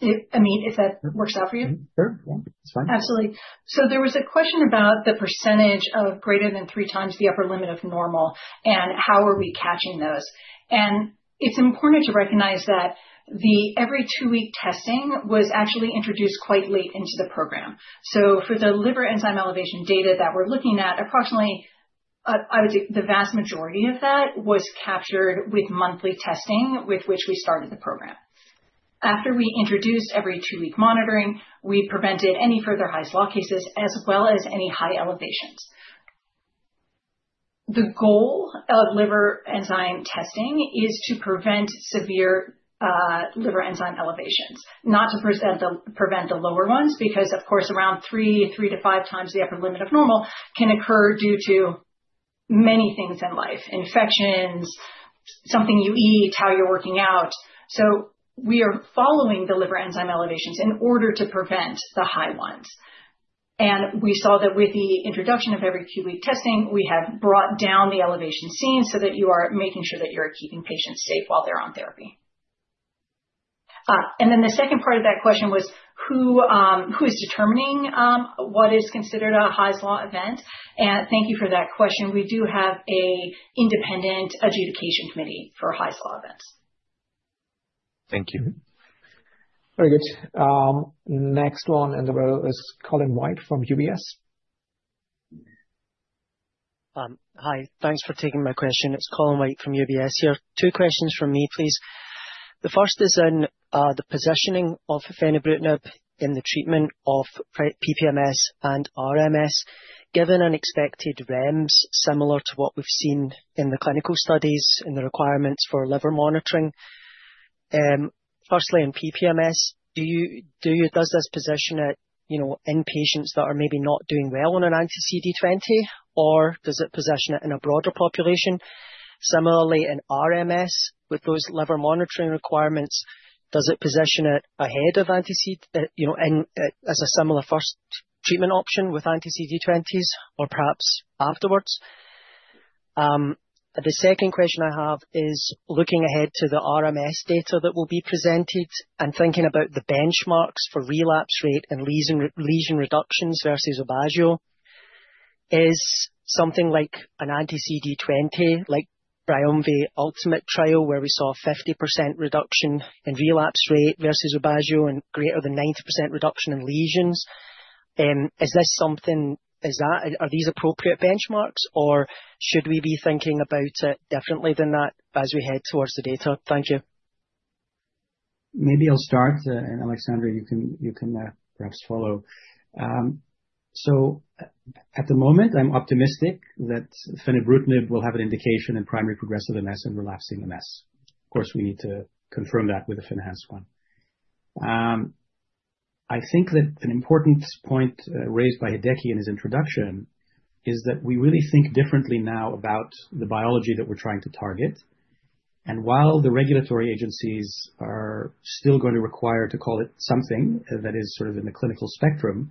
Amit, if that works out for you? Sure. Yeah. It's fine. Absolutely. So there was a question about the percentage of greater than 3x the upper limit of normal and how are we catching those. It's important to recognize that the every-two-week testing was actually introduced quite late into the program. So for the liver enzyme elevation data that we're looking at, approximately, I would say, the vast majority of that was captured with monthly testing with which we started the program. After we introduced every-two-week monitoring, we prevented any further Hy's Law cases as well as any high elevations. The goal of liver enzyme testing is to prevent severe liver enzyme elevations, not to prevent the lower ones because, of course, around 3x, 3-5x the upper limit of normal can occur due to many things in life: infections, something you eat, how you're working out. So we are following the liver enzyme elevations in order to prevent the high ones. And we saw that with the introduction of every-two-week testing, we have brought down the elevations seen so that you are making sure that you're keeping patients safe while they're on therapy. And then the second part of that question was, "Who is determining what is considered a Hy's Law event?" And thank you for that question. We do have an independent adjudication committee for Hy's Law events. Thank you. Very good. Next one in the row is Colin White from UBS. Hi. Thanks for taking my question. It's Colin White from UBS here. Two questions from me, please. The first is on the positioning of fenebrutinib in the treatment of PPMS and RMS given unexpected REMS similar to what we've seen in the clinical studies in the requirements for liver monitoring. Firstly, in PPMS, does this position it in patients that are maybe not doing well on an anti-CD20, or does it position it in a broader population? Similarly, in RMS, with those liver monitoring requirements, does it position it ahead of anti-CD20 as a similar first treatment option with anti-CD20s or perhaps afterwards? The second question I have is, looking ahead to the RMS data that will be presented and thinking about the benchmarks for relapse rate and lesion reductions versus Ocrevus, is something like an anti-CD20, like Briumvi ULTIMATE trial where we saw a 50% reduction in relapse rate versus Ocrevus and greater than 90% reduction in lesions? Is that are these appropriate benchmarks, or should we be thinking about it differently than that as we head towards the data? Thank you. Maybe I'll start, and Alexandra, you can perhaps follow. So at the moment, I'm optimistic that fenebrutinib will have an indication in primary progressive MS and relapsing MS. Of course, we need to confirm that with a FENhance 1. I think that an important point raised by Hideki in his introduction is that we really think differently now about the biology that we're trying to target. And while the regulatory agencies are still going to require to call it something that is sort of in the clinical spectrum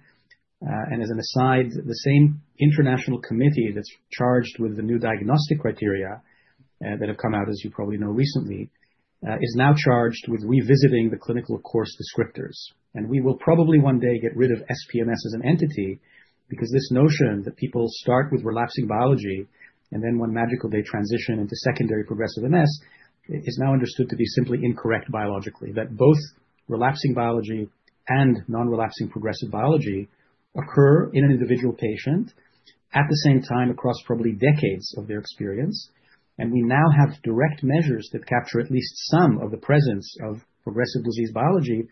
and as an aside, the same international committee that's charged with the new diagnostic criteria that have come out, as you probably know, recently is now charged with revisiting the clinical course descriptors. We will probably one day get rid of SPMS as an entity because this notion that people start with relapsing biology and then one magical day transition into secondary progressive MS is now understood to be simply incorrect biologically, that both relapsing biology and non-relapsing progressive biology occur in an individual patient at the same time across probably decades of their experience. We now have direct measures that capture at least some of the presence of progressive disease biology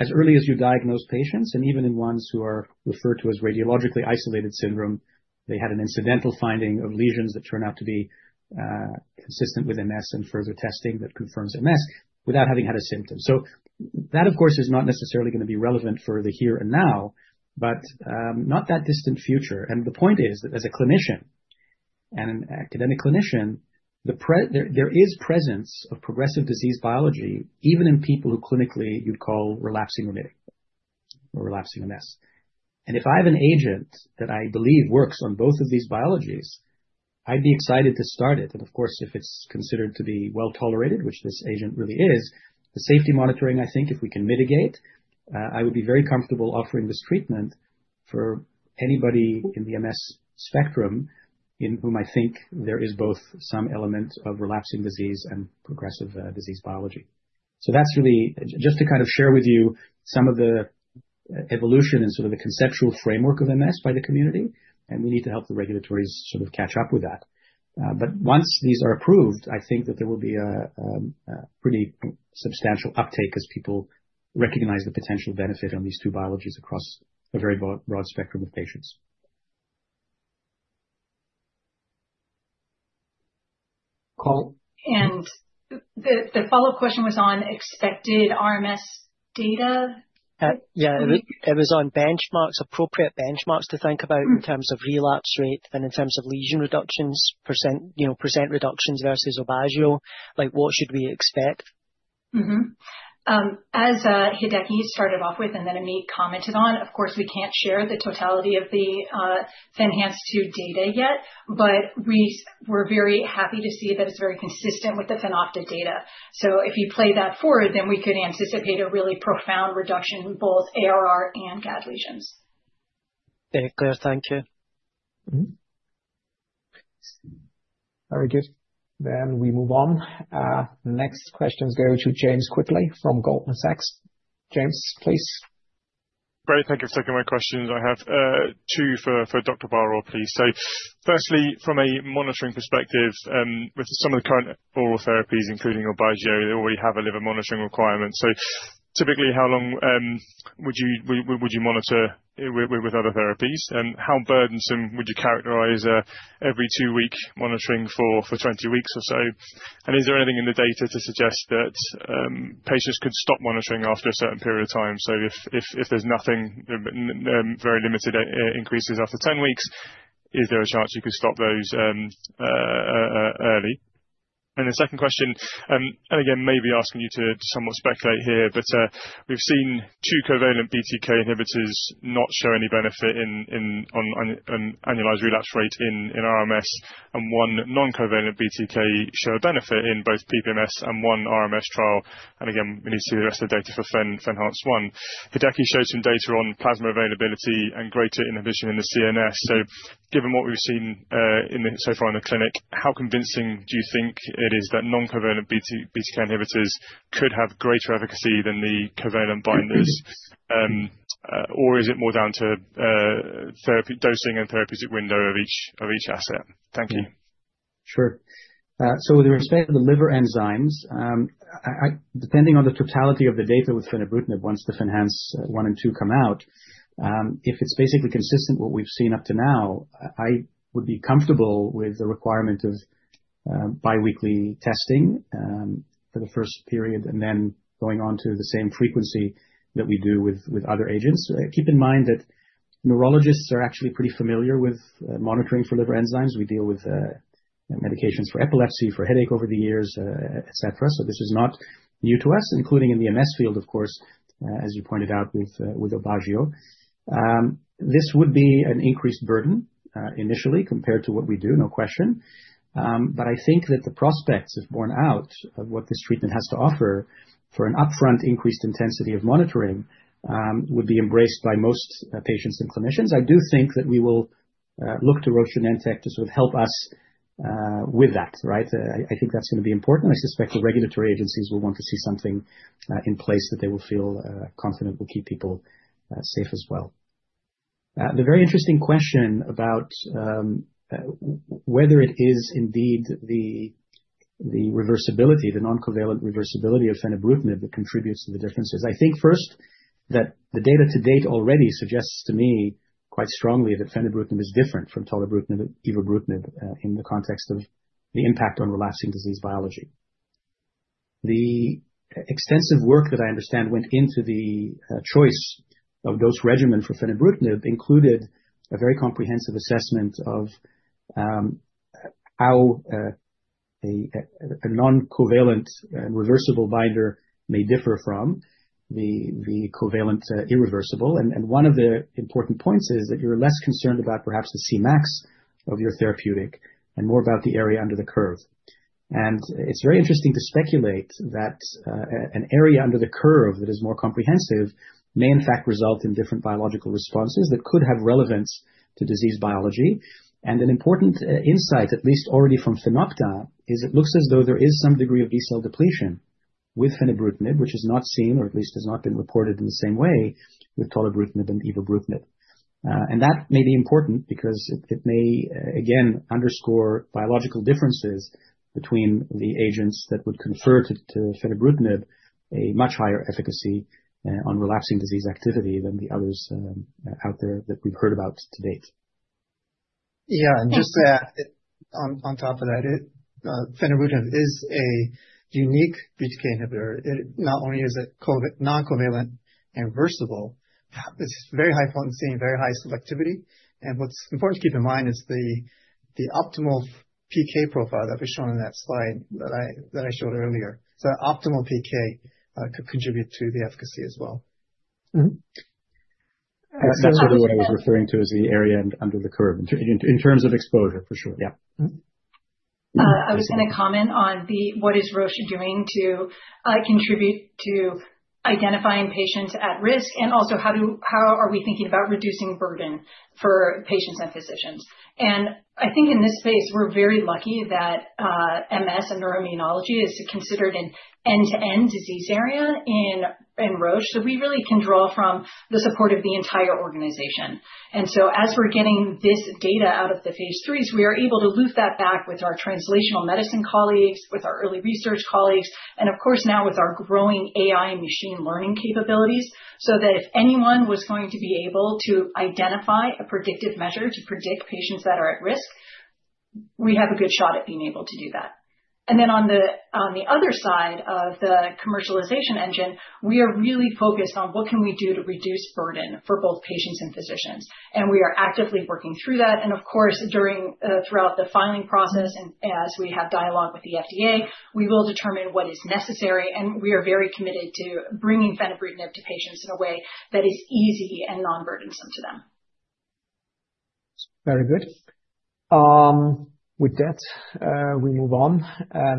as early as you diagnose patients. Even in ones who are referred to as radiologically isolated syndrome, they had an incidental finding of lesions that turn out to be consistent with MS and further testing that confirms MS without having had a symptom. That, of course, is not necessarily going to be relevant for the here and now, but not that distant future. The point is that as a clinician and an academic clinician, there is presence of progressive disease biology even in people who clinically you'd call relapsing remitting or relapsing MS. And if I have an agent that I believe works on both of these biologies, I'd be excited to start it. And of course, if it's considered to be well-tolerated, which this agent really is, the safety monitoring, I think, if we can mitigate, I would be very comfortable offering this treatment for anybody in the MS spectrum in whom I think there is both some element of relapsing disease and progressive disease biology. So that's really just to kind of share with you some of the evolution and sort of the conceptual framework of MS by the community. And we need to help the regulators sort of catch up with that. Once these are approved, I think that there will be a pretty substantial uptake as people recognize the potential benefit on these two biologies across a very broad spectrum of patients. Colin. The follow-up question was on expected RMS data. Yeah. It was on benchmarks, appropriate benchmarks to think about in terms of relapse rate and in terms of lesion reductions, percent reductions versus Ocrevus. What should we expect? As Hideki started off with and then Amit commented on, of course, we can't share the totality of the FENhance 2 data yet, but we're very happy to see that it's very consistent with the FENopta data. So if you play that forward, then we could anticipate a really profound reduction in both ARR and Gd+ lesions. Very clear. Thank you. Very good. Then we move on. Next questions go to James Quigley from Goldman Sachs. James, please. you very much for taking my questions. I have two for Dr. Bar-Or, please. So firstly, from a monitoring perspective, with some of the current oral therapies, including Aubagio, they already have a liver monitoring requirement. So typically, how long would you monitor with other therapies? And how burdensome would you characterize every-two-week monitoring for 20 weeks or so? And is there anything in the data to suggest that patients could stop monitoring after a certain period of time? So if there's nothing, very limited increases after 10 weeks, is there a chance you could stop those early? And the second question, and again, maybe asking you to somewhat speculate here, but we've seen two covalent BTK inhibitors not show any benefit in annualized relapse rate in RMS, and one non-covalent BTK show a benefit in both PPMS and one RMS trial. Again, we need to see the rest of the data for FENhance 1. Hideki showed some data on plasma availability and greater inhibition in the CNS. Given what we've seen so far in the clinic, how convincing do you think it is that non-covalent BTK inhibitors could have greater efficacy than the covalent binders, or is it more down to dosing and therapeutic window of each asset? Thank you. Sure. So with respect to the liver enzymes, depending on the totality of the data with fenebrutinib once the FENhance 1 and 2 come out, if it's basically consistent with what we've seen up to now, I would be comfortable with the requirement of biweekly testing for the first period and then going on to the same frequency that we do with other agents. Keep in mind that neurologists are actually pretty familiar with monitoring for liver enzymes. We deal with medications for epilepsy, for headache over the years, etc. So this is not new to us, including in the MS field, of course, as you pointed out with Ocrevus. This would be an increased burden initially compared to what we do, no question. But I think that the prospects, if borne out, of what this treatment has to offer for an upfront increased intensity of monitoring would be embraced by most patients and clinicians. I do think that we will look to Roche Nilesh Mehta to sort of help us with that, right? I think that's going to be important. I suspect the regulatory agencies will want to see something in place that they will feel confident will keep people safe as well. The very interesting question about whether it is indeed the reversibility, the non-covalent reversibility of fenebrutinib that contributes to the differences, I think first that the data to date already suggests to me quite strongly that fenebrutinib is different from tolebrutinib, evobrutinib in the context of the impact on relapsing disease biology. The extensive work that I understand went into the choice of dose regimen for fenebrutinib included a very comprehensive assessment of how a non-covalent reversible binder may differ from the covalent irreversible. And one of the important points is that you're less concerned about perhaps the Cmax of your therapeutic and more about the area under the curve. And it's very interesting to speculate that an area under the curve that is more comprehensive may, in fact, result in different biological responses that could have relevance to disease biology. And an important insight, at least already from FENopta, is it looks as though there is some degree of B-cell depletion with fenebrutinib, which is not seen or at least has not been reported in the same way with tolebrutinib and evobrutinib. That may be important because it may, again, underscore biological differences between the agents that would confer to fenebrutinib a much higher efficacy on relapsing disease activity than the others out there that we've heard about to date. Yeah. And just on top of that, fenebrutinib is a unique BTK inhibitor. It not only is non-covalent and reversible, it's very high potency, very high selectivity. And what's important to keep in mind is the optimal PK profile that was shown in that slide that I showed earlier. So optimal PK could contribute to the efficacy as well. That's really what I was referring to as the area under the curve in terms of exposure, for sure. Yeah. I was going to comment on what is Roche doing to contribute to identifying patients at risk and also how are we thinking about reducing burden for patients and physicians. And I think in this space, we're very lucky that MS and neuroimmunology is considered an end-to-end disease area in Roche. So we really can draw from the support of the entire organization. And so as we're getting this data out of the phase IIIs, we are able to loop that back with our translational medicine colleagues, with our early research colleagues, and of course, now with our growing AI and machine learning capabilities so that if anyone was going to be able to identify a predictive measure to predict patients that are at risk, we have a good shot at being able to do that. Then on the other side of the commercialization engine, we are really focused on what we can do to reduce burden for both patients and physicians. We are actively working through that. Of course, throughout the filing process and as we have dialogue with the FDA, we will determine what is necessary. We are very committed to bringing fenebrutinib to patients in a way that is easy and non-burdensome to them. Very good. With that, we move on.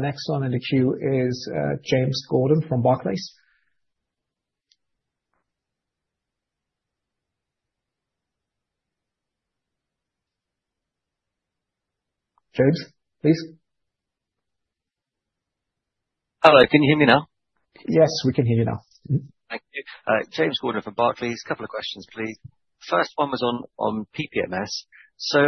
Next one in the queue is James Gordon from Barclays. James, please. Hello. Can you hear me now? Yes, we can hear you now. Thank you. James Gordon from Barclays, couple of questions, please. First one was on PPMS. So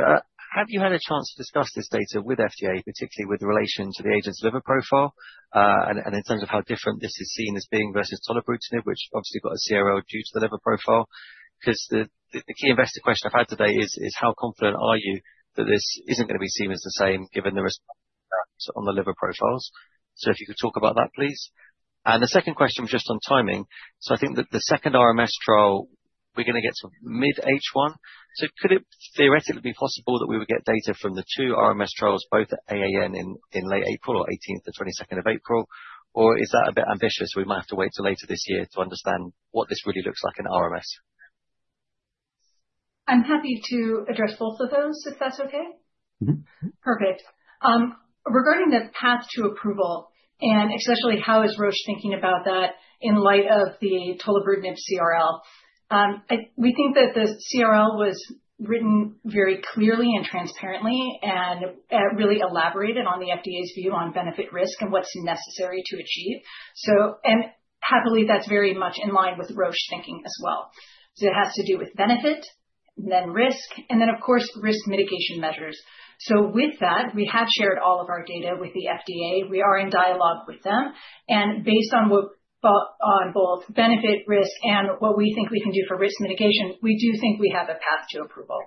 have you had a chance to discuss this data with FDA, particularly with relation to the agent's liver profile and in terms of how different this is seen as being versus tolebrutinib, which obviously got a CRL due to the liver profile? Because the key investor question I've had today is, how confident are you that this isn't going to be seen as the same given the response on the liver profiles? So if you could talk about that, please. And the second question was just on timing. So I think that the second RMS trial, we're going to get to mid-H1. So could it theoretically be possible that we would get data from the two RMS trials, both at AAN in late April or 18th or 22nd of April? Or is that a bit ambitious? We might have to wait until later this year to understand what this really looks like in RMS. I'm happy to address both of those if that's okay. Perfect. Regarding the path to approval and especially how is Roche thinking about that in light of the tolebrutinib CRL, we think that the CRL was written very clearly and transparently and really elaborated on the FDA's view on benefit-risk and what's necessary to achieve. And happily, that's very much in line with Roche's thinking as well. So it has to do with benefit, then risk, and then, of course, risk mitigation measures. So with that, we have shared all of our data with the FDA. We are in dialogue with them. And based on both benefit, risk, and what we think we can do for risk mitigation, we do think we have a path to approval.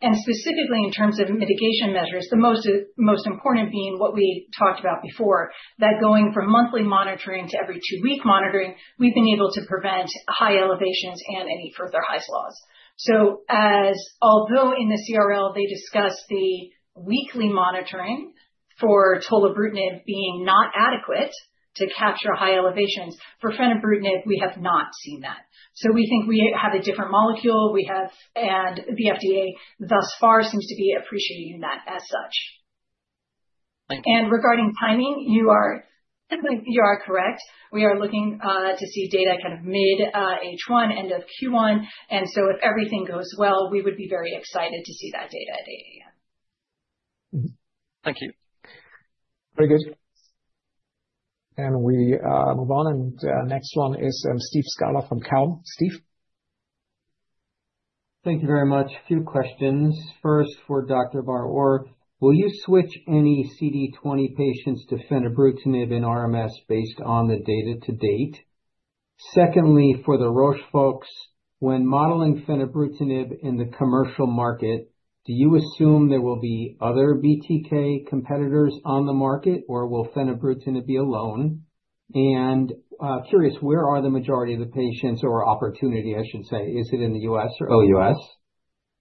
Specifically in terms of mitigation measures, the most important being what we talked about before, that going from monthly monitoring to every-two-week monitoring, we've been able to prevent high elevations and any further Hy's Law. Although in the CRL, they discuss the weekly monitoring for tolebrutinib being not adequate to capture high elevations, for fenebrutinib, we have not seen that. We think we have a different molecule. We have. The FDA thus far seems to be appreciating that as such. Thank you. Regarding timing, you are correct. We are looking to see data kind of mid-H1, end of Q1. So if everything goes well, we would be very excited to see that data at AAN. Thank you. Very good. And we move on. And next one is Steve Scala from Cowen. Steve. Thank you very much. A few questions. First, for Dr. Bar-Or, will you switch any CD20 patients to fenebrutinib in RMS based on the data to date? Secondly, for the Roche folks, when modeling fenebrutinib in the commercial market, do you assume there will be other BTK competitors on the market, or will fenebrutinib be alone? And curious, where are the majority of the patients or opportunity, I should say? Is it in the US or OUS?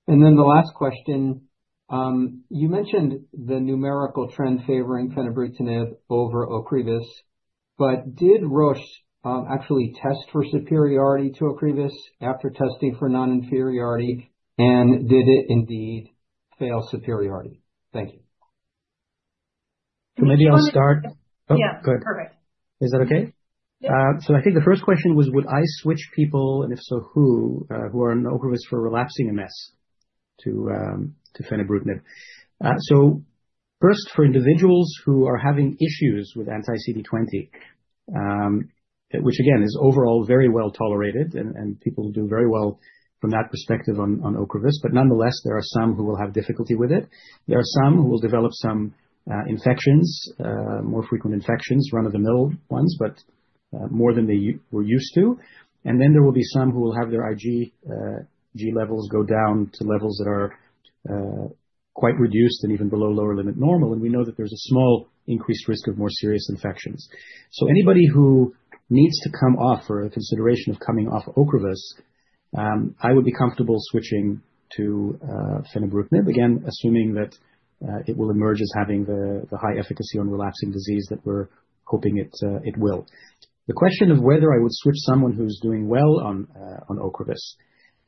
And then the last question, you mentioned the numerical trend favoring fenebrutinib over Ocrevus, but did Roche actually test for superiority to Ocrevus after testing for non-inferiority, and did it indeed fail superiority? Thank you. Can maybe I'll start? Oh, good. Yeah. Perfect. Is that okay? So I think the first question was, would I switch people, and if so, who, who are on Ocrevus for relapsing MS to fenebrutinib? So first, for individuals who are having issues with anti-CD20, which again is overall very well tolerated and people do very well from that perspective on Ocrevus, but nonetheless, there are some who will have difficulty with it. There are some who will develop some infections, more frequent infections, run-of-the-mill ones, but more than they were used to. And then there will be some who will have their IgG levels go down to levels that are quite reduced and even below lower-limit normal. And we know that there's a small increased risk of more serious infections. So anybody who needs to come off or a consideration of coming off Ocrevus, I would be comfortable switching to fenebrutinib, again, assuming that it will emerge as having the high efficacy on relapsing disease that we're hoping it will. The question of whether I would switch someone who's doing well on Ocrevus.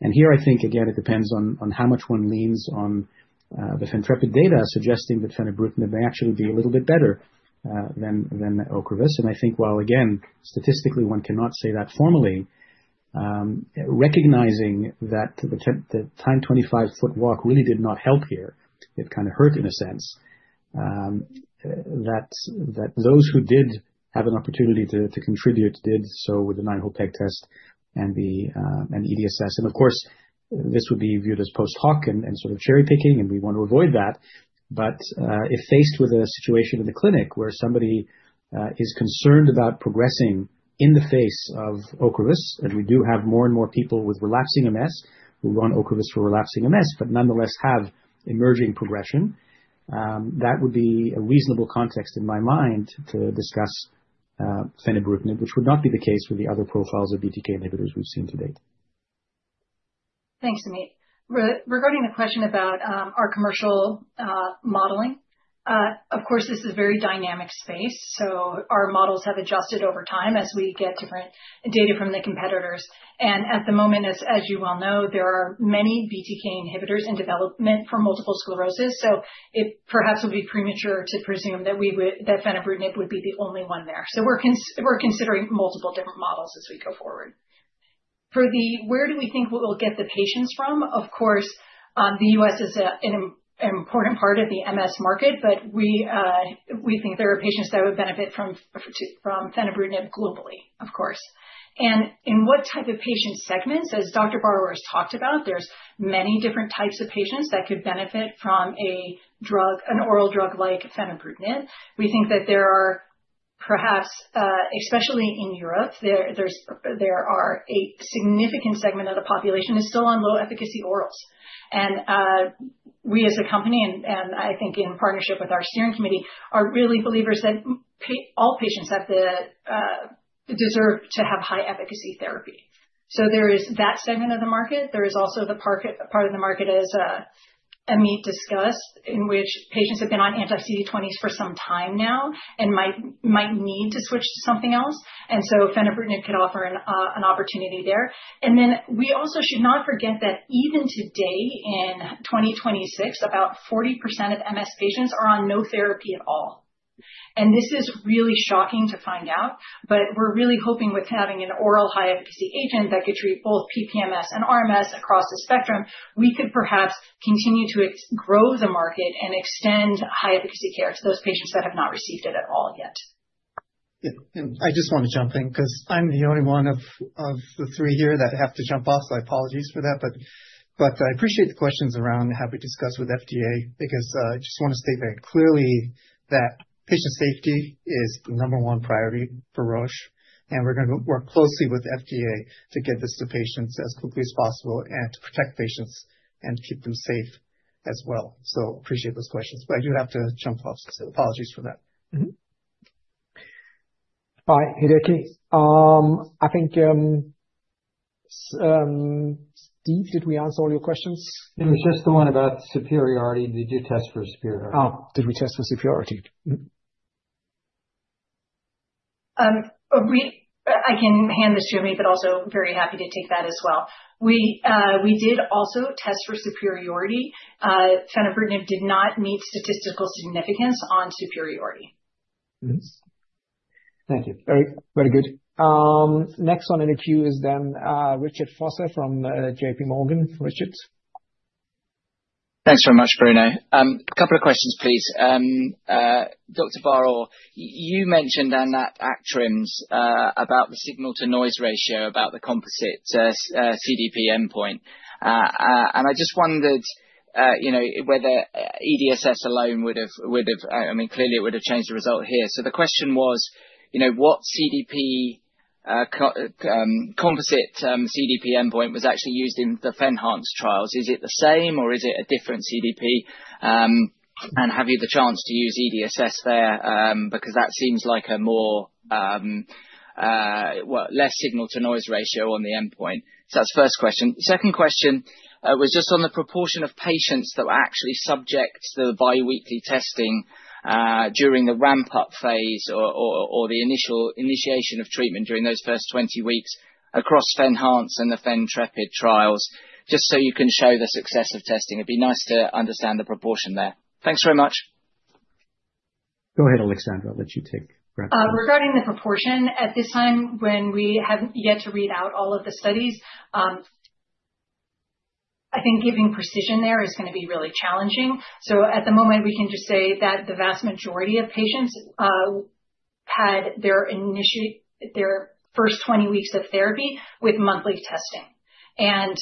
And here, I think, again, it depends on how much one leans on the FENtrepid data suggesting that fenebrutinib may actually be a little bit better than Ocrevus. And I think while, again, statistically, one cannot say that formally, recognizing that the Timed 25-Foot Walk really did not help here. It kind of hurt, in a sense, that those who did have an opportunity to contribute did so with the Nine-Hole Peg Test and the EDSS. And of course, this would be viewed as post-hoc and sort of cherry-picking, and we want to avoid that. But if faced with a situation in the clinic where somebody is concerned about progressing in the face of Ocrevus, and we do have more and more people with relapsing MS who run Ocrevus for relapsing MS but nonetheless have emerging progression, that would be a reasonable context in my mind to discuss fenebrutinib, which would not be the case with the other profiles of BTK inhibitors we've seen to date. Thanks, Amit. Regarding the question about our commercial modeling, of course, this is a very dynamic space. Our models have adjusted over time as we get different data from the competitors. At the moment, as you well know, there are many BTK inhibitors in development for multiple sclerosis. It perhaps would be premature to presume that fenebrutinib would be the only one there. We're considering multiple different models as we go forward. For where do we think we'll get the patients from? Of course, the U.S. is an important part of the MS market, but we think there are patients that would benefit from fenebrutinib globally, of course. In what type of patient segments, as Dr. Bar-Or has talked about, there's many different types of patients that could benefit from an oral drug like fenebrutinib. We think that there are perhaps especially in Europe a significant segment of the population that is still on low-efficacy orals. We as a company, and I think in partnership with our steering committee, are really believers that all patients deserve to have high-efficacy therapy. There is that segment of the market. There is also the part of the market, as Amit discussed, in which patients have been on anti-CD20s for some time now and might need to switch to something else. Fenebrutinib could offer an opportunity there. We also should not forget that even today, in 2026, about 40% of MS patients are on no therapy at all. This is really shocking to find out. But we're really hoping with having an oral high-efficacy agent that could treat both PPMS and RMS across the spectrum, we could perhaps continue to grow the market and extend high-efficacy care to those patients that have not received it at all yet. I just want to jump in because I'm the only one of the three here that have to jump off, so apologies for that. I appreciate the questions around how we discuss with FDA because I just want to state very clearly that patient safety is the number one priority for Roche. We're going to work closely with FDA to get this to patients as quickly as possible and to protect patients and keep them safe as well. Appreciate those questions. I do have to jump off, so apologies for that. Hi, Hideki. I think, Steve, did we answer all your questions? It was just the one about superiority. Did you test for superiority? Oh, did we test for superiority? I can hand this to Amit, but also very happy to take that as well. We did also test for superiority. Fenebrutinib did not meet statistical significance on superiority. Thank you. Very good. Next one in the queue is then Richard Vosser from JP Morgan. Richard. Thanks very much, Bruno. Couple of questions, please. Dr. Bar-Or, you mentioned on that ACTRIMS about the signal-to-noise ratio, about the composite CDP endpoint. And I just wondered whether EDSS alone would have—I mean, clearly, it would have changed the result here. So the question was, what CDP composite CDP endpoint was actually used in the FENhance trials? Is it the same, or is it a different CDP? And have you the chance to use EDSS there because that seems like a less signal-to-noise ratio on the endpoint? So that's the first question. Second question was just on the proportion of patients that were actually subject to the biweekly testing during the ramp-up phase or the initiation of treatment during those first 20 weeks across FENhance and the FENtrepid trials, just so you can show the success of testing. It'd be nice to understand the proportion there. Thanks very much. Go ahead, Alexandra. I'll let you take ramp-up. Regarding the proportion, at this time, when we haven't yet to read out all of the studies, I think giving precision there is going to be really challenging. So at the moment, we can just say that the vast majority of patients had their first 20 weeks of therapy with monthly testing. And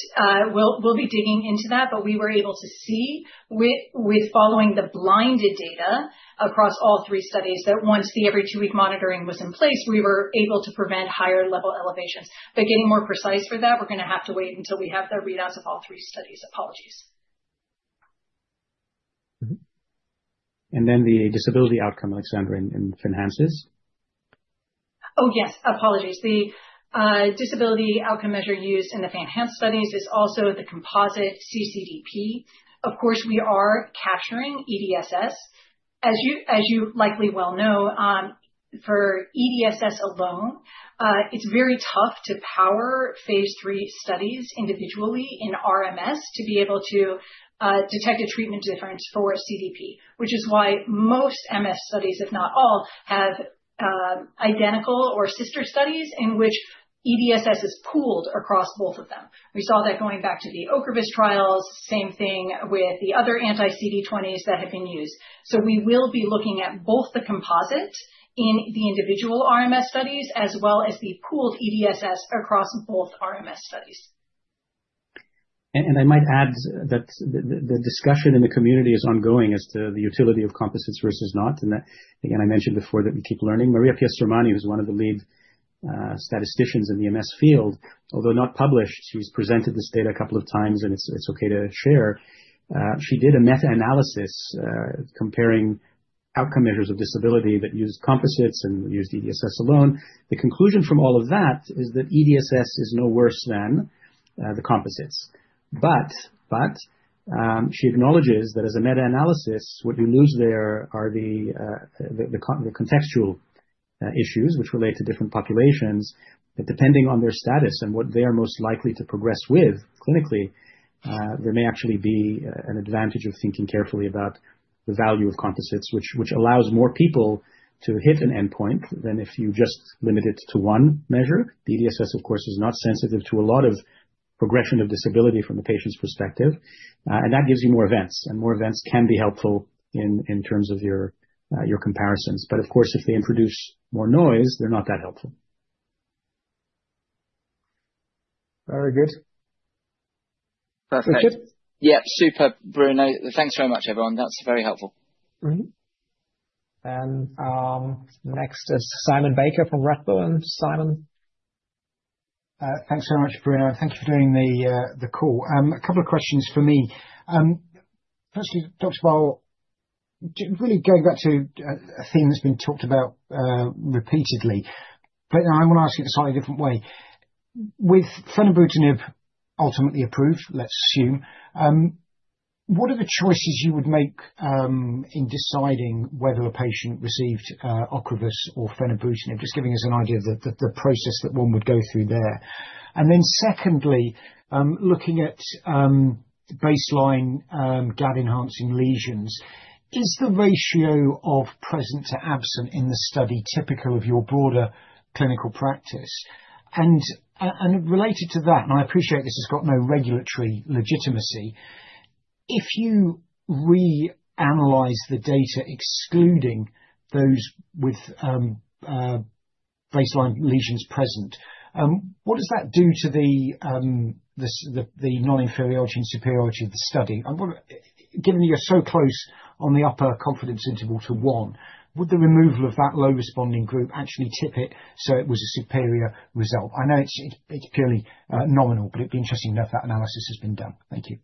we'll be digging into that. But we were able to see, with following the blinded data across all three studies, that once the every two-week monitoring was in place, we were able to prevent higher-level elevations. But getting more precise for that, we're going to have to wait until we have the readouts of all three studies. Apologies. And then the disability outcome, Alexandra, in FENhance? Oh, yes. Apologies. The disability outcome measure used in the FENhance studies is also the composite CDP. Of course, we are capturing EDSS. As you likely well know, for EDSS alone, it's very tough to power phase III studies individually in RMS to be able to detect a treatment difference for CDP, which is why most MS studies, if not all, have identical or sister studies in which EDSS is pooled across both of them. We saw that going back to the Ocrevus trials. Same thing with the other anti-CD20s that have been used. So we will be looking at both the composite in the individual RMS studies as well as the pooled EDSS across both RMS studies. And I might add that the discussion in the community is ongoing as to the utility of composites versus not. And again, I mentioned before that we keep learning. Maria Pia Sormani, who's one of the lead statisticians in the MS field, although not published, she's presented this data a couple of times, and it's okay to share, she did a meta-analysis comparing outcome measures of disability that used composites and used EDSS alone. The conclusion from all of that is that EDSS is no worse than the composites. But she acknowledges that as a meta-analysis, what you lose there are the contextual issues, which relate to different populations. But depending on their status and what they are most likely to progress with clinically, there may actually be an advantage of thinking carefully about the value of composites, which allows more people to hit an endpoint than if you just limit it to one measure. The EDSS, of course, is not sensitive to a lot of progression of disability from the patient's perspective. And that gives you more events. And more events can be helpful in terms of your comparisons. But of course, if they introduce more noise, they're not that helpful. Very good. Perfect. Richard? Yep. Super, Bruno. Thanks very much, everyone. That's very helpful. Next is Simon Baker from Redburn. Simon? Thanks very much, Bruno. And thank you for doing the call. A couple of questions for me. Firstly, Dr. Bar-Or, really going back to a theme that's been talked about repeatedly, but now I want to ask it in a slightly different way. With fenebrutinib ultimately approved, let's assume, what are the choices you would make in deciding whether a patient received Ocrevus or fenebrutinib? Just giving us an idea of the process that one would go through there. And then secondly, looking at baseline Gd-enhancing lesions, is the ratio of present to absent in the study typical of your broader clinical practice? And related to that, and I appreciate this has got no regulatory legitimacy, if you reanalyze the data excluding those with baseline lesions present, what does that do to the non-inferiority and superiority of the study? Given that you're so close on the upper confidence interval to 1, would the removal of that low-responding group actually tip it so it was a superior result? I know it's purely nominal, but it'd be interesting enough that analysis has been done. Thank you.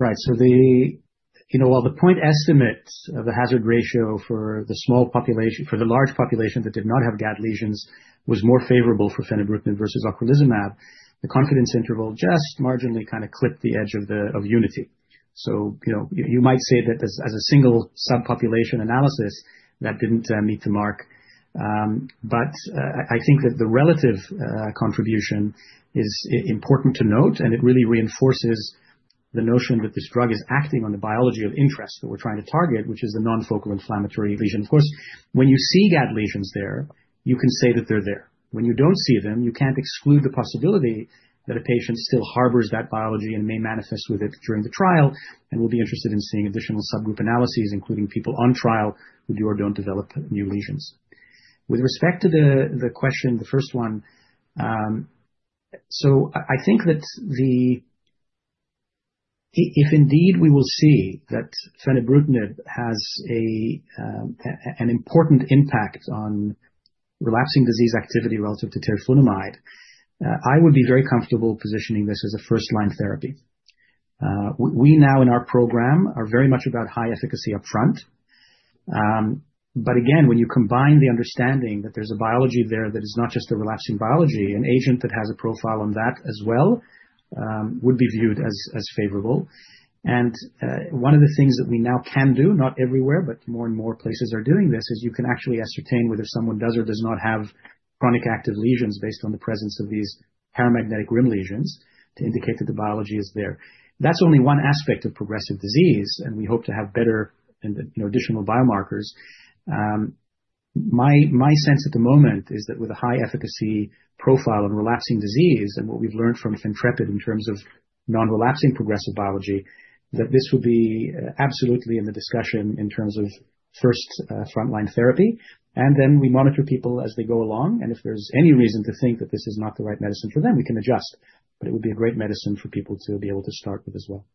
Right. So while the point estimate of the hazard ratio for the large population that did not have Gd lesions was more favorable for fenebrutinib versus ocrelizumab, the confidence interval just marginally kind of clipped the edge of unity. So you might say that as a single subpopulation analysis, that didn't meet the mark. But I think that the relative contribution is important to note. And it really reinforces the notion that this drug is acting on the biology of interest that we're trying to target, which is the non-focal inflammatory lesion. Of course, when you see gad lesions there, you can say that they're there. When you don't see them, you can't exclude the possibility that a patient still harbors that biology and may manifest with it during the trial and will be interested in seeing additional subgroup analyses, including people on trial who do or don't develop new lesions. With respect to the question, the first one, so I think that if indeed we will see that fenebrutinib has an important impact on relapsing disease activity relative to teriflunomide, I would be very comfortable positioning this as a first-line therapy. We now, in our program, are very much about high-efficacy upfront. But again, when you combine the understanding that there's a biology there that is not just a relapsing biology, an agent that has a profile on that as well would be viewed as favorable. One of the things that we now can do, not everywhere, but more and more places are doing this, is you can actually ascertain whether someone does or does not have chronic active lesions based on the presence of these paramagnetic rim lesions to indicate that the biology is there. That's only one aspect of progressive disease. We hope to have better and additional biomarkers. My sense at the moment is that with a high-efficacy profile on relapsing disease and what we've learned from FENtrepid in terms of non-relapsing progressive biology, that this would be absolutely in the discussion in terms of first front-line therapy. Then we monitor people as they go along. And if there's any reason to think that this is not the right medicine for them, we can adjust. But it would be a great medicine for people to be able to start with as well.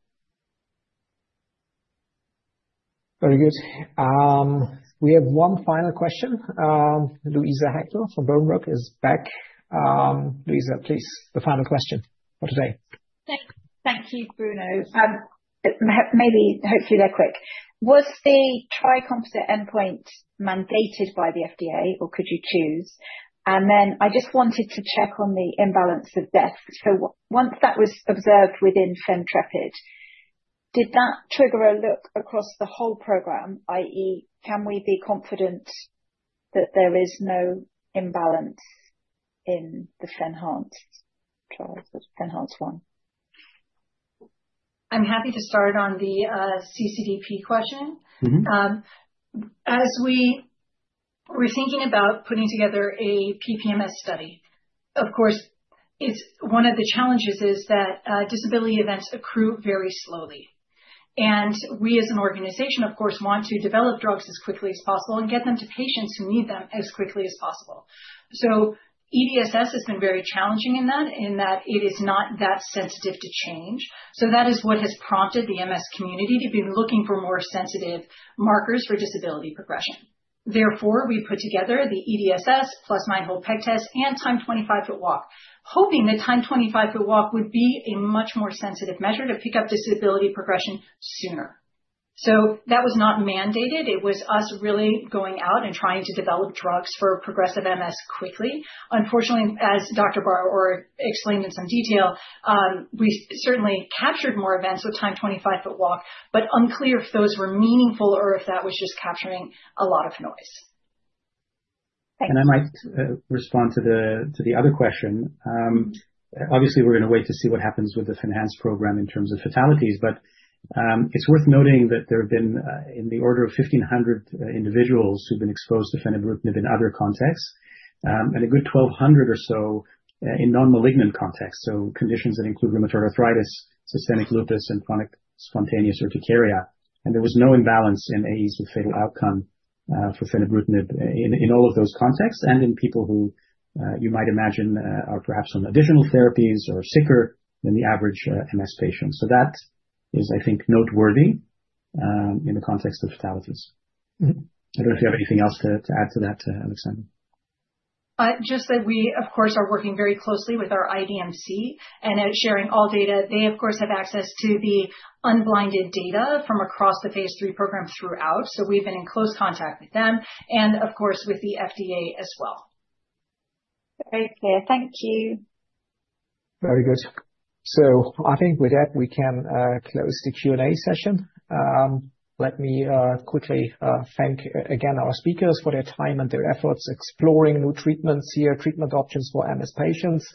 Very good. We have one final question. Luisa Hector from Berenberg is back. Luisa, please, the final question for today. Thank you, Bruno. Hopefully, they're quick. Was the composite endpoint mandated by the FDA, or could you choose? And then I just wanted to check on the imbalance of death. So once that was observed within FENtrepid, did that trigger a look across the whole program, i.e., can we be confident that there is no imbalance in the FENhance trials, the FENhance 1? I'm happy to start on the CDP question. As we were thinking about putting together a PPMS study, of course, one of the challenges is that disability events accrue very slowly. And we, as an organization, of course, want to develop drugs as quickly as possible and get them to patients who need them as quickly as possible. So EDSS has been very challenging in that, in that it is not that sensitive to change. So that is what has prompted the MS community to be looking for more sensitive markers for disability progression. Therefore, we put together the EDSS plus Nine-Hole Peg Test and Timed 25-Foot Walk, hoping that Timed 25-Foot Walk would be a much more sensitive measure to pick up disability progression sooner. So that was not mandated. It was us really going out and trying to develop drugs for progressive MS quickly. Unfortunately, as Dr. Bar-Or explained in some detail, we certainly captured more events with Timed 25-Foot Walk, but unclear if those were meaningful or if that was just capturing a lot of noise. Thanks. I might respond to the other question. Obviously, we're going to wait to see what happens with the FENhance program in terms of fatalities. But it's worth noting that there have been in the order of 1,500 individuals who've been exposed to fenebrutinib in other contexts and a good 1,200 or so in non-malignant contexts, so conditions that include rheumatoid arthritis, systemic lupus, and chronic spontaneous urticaria. There was no imbalance in AEs with fatal outcome for fenebrutinib in all of those contexts and in people who, you might imagine, are perhaps on additional therapies or sicker than the average MS patient. So that is, I think, noteworthy in the context of fatalities. I don't know if you have anything else to add to that, Alexandra. Just that we, of course, are working very closely with our IDMC and sharing all data. They, of course, have access to the unblinded data from across the phase III program throughout. So we've been in close contact with them and, of course, with the FDA as well. Very clear. Thank you. Very good. I think with that, we can close the Q&A session. Let me quickly thank again our speakers for their time and their efforts exploring new treatments here, treatment options for MS patients.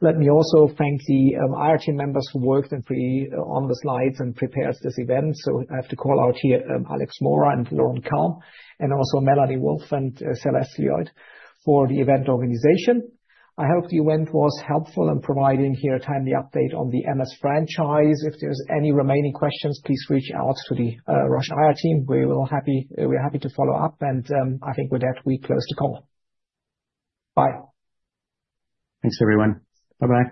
Let me also thank the IR team members who worked on the slides and prepared this event. I have to call out here Alex Mora and Loren Kalm and also Melanie Wolf and Celeste Lloyd for the event organization. I hope the event was helpful in providing here a timely update on the MS franchise. If there's any remaining questions, please reach out to the Roche IR team. We're happy to follow up. I think with that, we close the call. Bye. Thanks, everyone. Bye-bye.